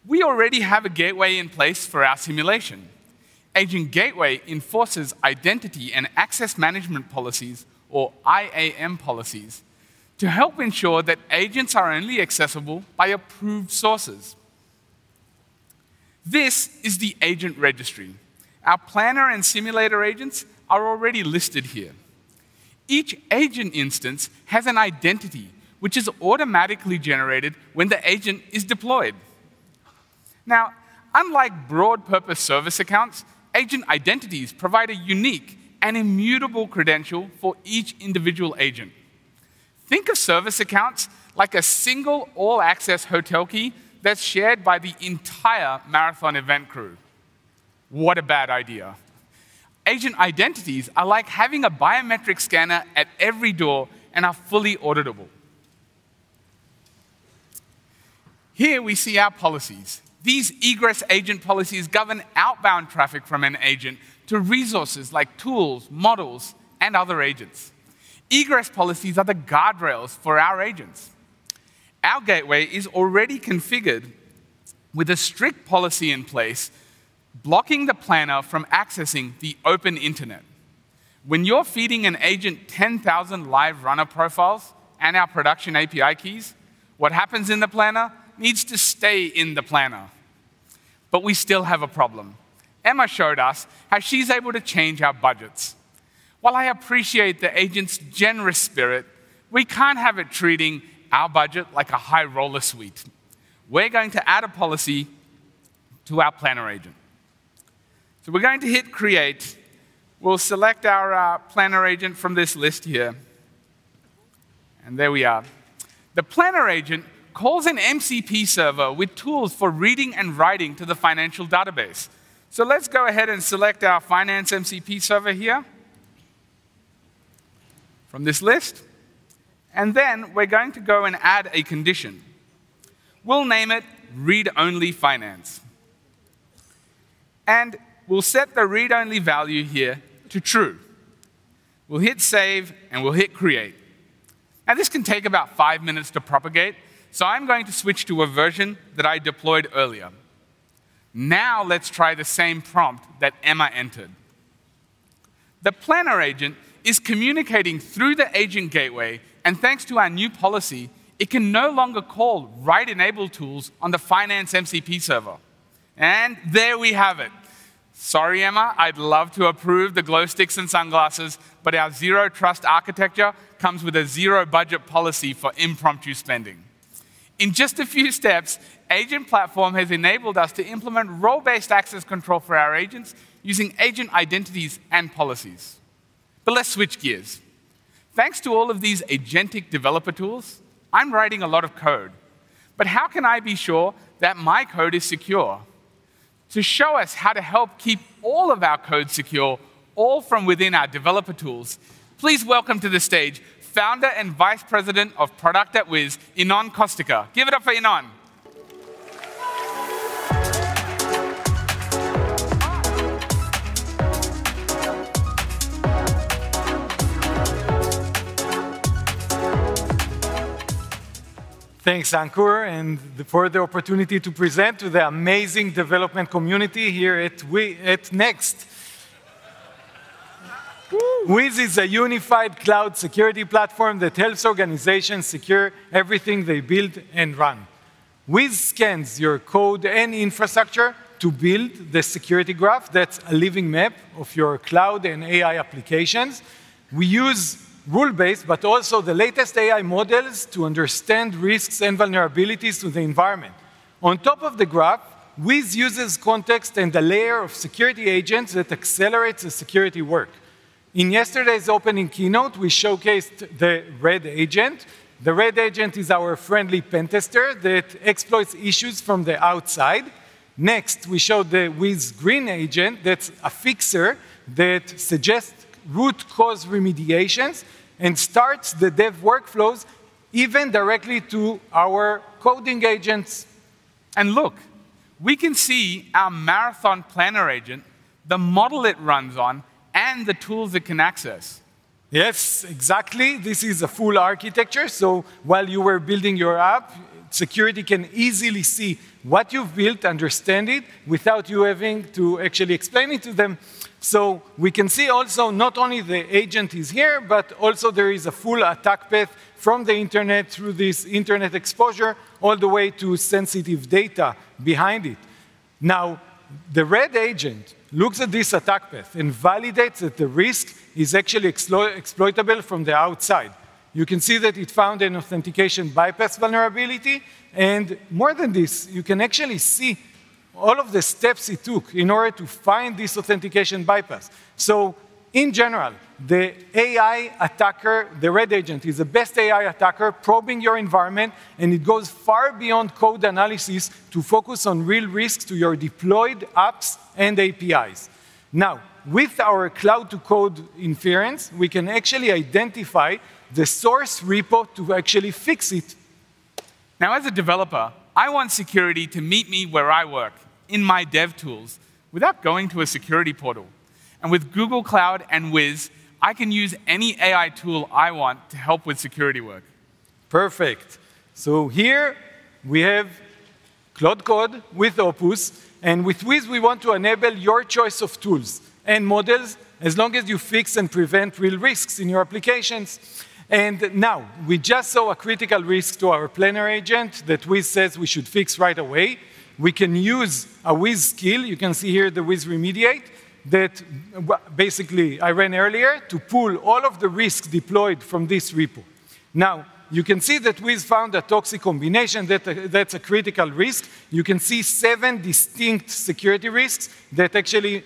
Speaker 14: We already have a gateway in place for our simulation. Agent Gateway enforces identity and access management policies, or IAM policies, to help ensure that agents are only accessible by approved sources. This is the Agent Registry. Our planner and simulator agents are already listed here. Each agent instance has an identity, which is automatically generated when the agent is deployed. Now, unlike broad-purpose service accounts, agent identities provide a unique and immutable credential for each individual agent. Think of service accounts like a single all-access hotel key that's shared by the entire marathon event crew. What a bad idea. Agent identities are like having a biometric scanner at every door and are fully auditable. Here we see our policies. These egress agent policies govern outbound traffic from an agent to resources like tools, models, and other agents. Egress policies are the guardrails for our agents. Our gateway is already configured with a strict policy in place, blocking the planner from accessing the open internet. When you're feeding an agent 10,000 live runner profiles and our production API keys, what happens in the planner needs to stay in the planner. We still have a problem. Emma showed us how she's able to change our budgets. While I appreciate the agent's generous spirit, we can't have it treating our budget like a high roller suite. We're going to add a policy to our planner agent. We're going to hit create. We'll select our planner agent from this list here. There we are. The planner agent calls an MCP server with tools for reading and writing to the financial database. Let's go ahead and select our Finance MCP server here from this list, and then we're going to go and add a condition. We'll name it Read Only Finance, and we'll set the read-only value here to True. We'll hit save and we'll hit create. Now, this can take about five minutes to propagate, so I'm going to switch to a version that I deployed earlier. Now let's try the same prompt that Emma entered. The planner agent is communicating through the Agent Gateway, and thanks to our new policy, it can no longer call write-enabled tools on the Finance MCP server. There we have it. Sorry, Emma, I'd love to approve the glow sticks and sunglasses, but our zero trust architecture comes with a zero budget policy for impromptu spending. In just a few steps, Agent Platform has enabled us to implement role-based access control for our agents using agent identities and policies. Let's switch gears. Thanks to all of these agentic developer tools, I'm writing a lot of code. How can I be sure that my code is secure? To show us how to help keep all of our code secure, all from within our developer tools, please welcome to the stage Founder and Vice President of Product at Wiz, Yinon Costica. Give it up for Yinon.
Speaker 15: Thanks, Ankur, and for the opportunity to present to the amazing development community here at Next.
Speaker 14: Whoo.
Speaker 15: Wiz is a unified cloud security platform that helps organizations secure everything they build and run. Wiz scans your code and infrastructure to build the security graph that's a living map of your cloud and AI applications. We use rule-based, but also the latest AI models to understand risks and vulnerabilities to the environment. On top of the graph, Wiz uses context and a layer of security agents that accelerates the security work. In yesterday's opening keynote, we showcased the Wiz Red Agent. The Wiz Red Agent is our friendly pen tester that exploits issues from the outside. Next, we showed the Wiz Green Agent that's a fixer that suggests root cause remediations and starts the dev workflows even directly to our coding agents. Look, we can see our marathon planner agent, the model it runs on, and the tools it can access. Yes, exactly. This is a full architecture, so while you were building your app, security can easily see what you've built, understand it without you having to actually explain it to them. We can see also not only the agent is here, but also there is a full attack path from the internet through this internet exposure, all the way to sensitive data behind it. Now, the Red Agent looks at this attack path and validates that the risk is actually exploitable from the outside. You can see that it found an authentication bypass vulnerability, and more than this, you can actually see all of the steps it took in order to find this authentication bypass. In general, the AI attacker, the Red Agent, is the best AI attacker probing your environment, and it goes far beyond code analysis to focus on real risks to your deployed apps and APIs. Now, with our cloud to code inference, we can actually identify the source repo to actually fix it.
Speaker 14: Now, as a developer, I want security to meet me where I work in my dev tools without going to a security portal. With Google Cloud and Wiz, I can use any AI tool I want to help with security work.
Speaker 15: Perfect. Here we have Cloud Code with Opus and with Wiz. We want to enable your choice of tools and models as long as you fix and prevent real risks in your applications. Now we just saw a critical risk to our planner agent that Wiz says we should fix right away. We can use a Wiz skill. You can see here the Wiz remediation that basically I ran earlier to pull all of the risk deployed from this repo. Now, you can see that we've found a toxic combination that's a critical risk. You can see seven distinct security risks that actually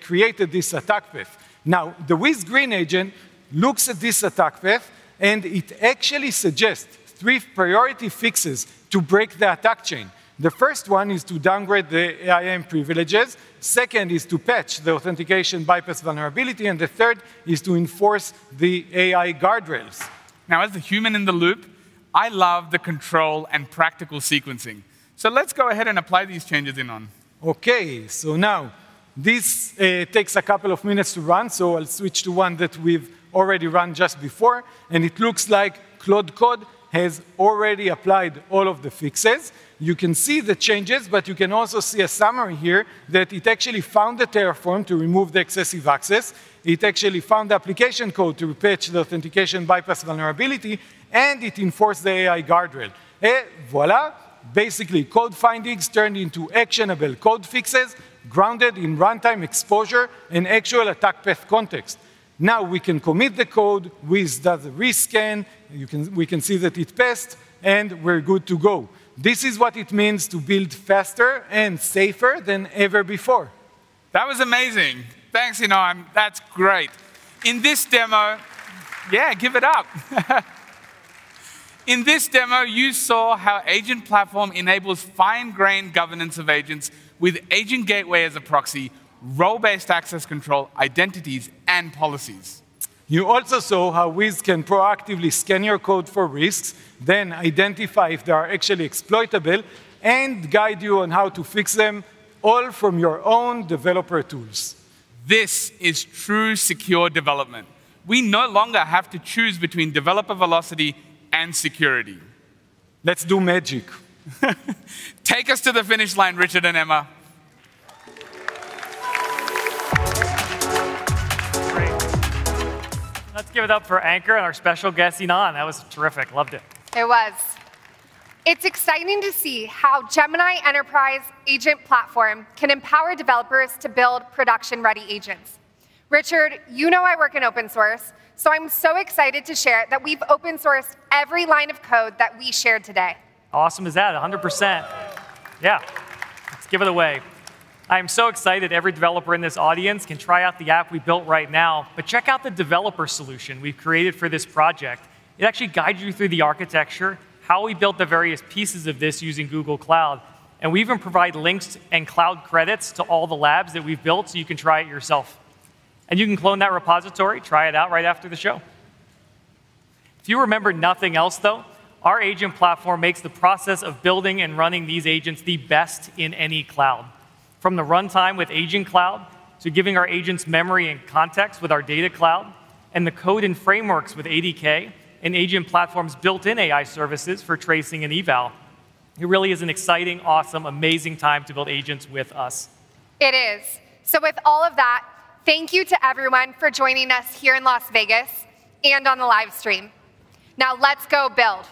Speaker 15: created this attack path. Now, the Wiz Green Agent looks at this attack path, and it actually suggests three priority fixes to break the attack chain. The first one is to downgrade the IAM privileges. Second is to patch the authentication bypass vulnerability, and the third is to enforce the AI guardrails.
Speaker 14: Now, as the human in the loop, I love the control and practical sequencing. Let's go ahead and apply these changes, Yinon.
Speaker 15: Okay, now this takes a couple of minutes to run, so I'll switch to one that we've already run just before, and it looks like Claude Code has already applied all of the fixes. You can see the changes, but you can also see a summary here that it actually found the Terraform to remove the excessive access. It actually found the application code to patch the authentication bypass vulnerability, and it enforced the AI guardrail. Et voilà. Basically, code findings turned into actionable code fixes grounded in runtime exposure and actual attack path context. Now we can commit the code. Wiz does the rescan, we can see that it passed, and we're good to go. This is what it means to build faster and safer than ever before.
Speaker 14: That was amazing. Thanks, Yinon. That's great. Yeah, give it up. In this demo, you saw how Agent Platform enables fine grain governance of agents with Agent Gateway as a proxy, role-based access control, identities, and policies.
Speaker 15: You also saw how Wiz can proactively scan your code for risks, then identify if they are actually exploitable and guide you on how to fix them, all from your own developer tools.
Speaker 14: This is true secure development. We no longer have to choose between developer velocity and security.
Speaker 15: Let's do magic.
Speaker 14: Take us to the finish line, Richard and Emma. Great.
Speaker 3: Let's give it up for Ankur and our special guest, Yinon. That was terrific. Loved it.
Speaker 4: It was. It's exciting to see how Gemini Enterprise Agent Platform can empower developers to build production-ready agents. Richard, you know I work in open source, so I'm so excited to share that we've open sourced every line of code that we shared today.
Speaker 3: How awesome is that? 100%. Yeah. Let's give it away. I am so excited every developer in this audience can try out the app we built right now, but check out the developer solution we've created for this project. It actually guides you through the architecture, how we built the various pieces of this using Google Cloud, and we even provide links and cloud credits to all the labs that we've built so you can try it yourself. You can clone that repository, try it out right after the show. If you remember nothing else, though, our Agent Platform makes the process of building and running these agents the best in any cloud. From the runtime with Agent Cloud, to giving our agents memory and context with our Data Cloud, and the code and frameworks with ADK, and Agent Platform's built-in AI services for tracing and eval. It really is an exciting, awesome, amazing time to build agents with us.
Speaker 4: It is. With all of that, thank you to everyone for joining us here in Las Vegas and on the live stream. Now let's go build.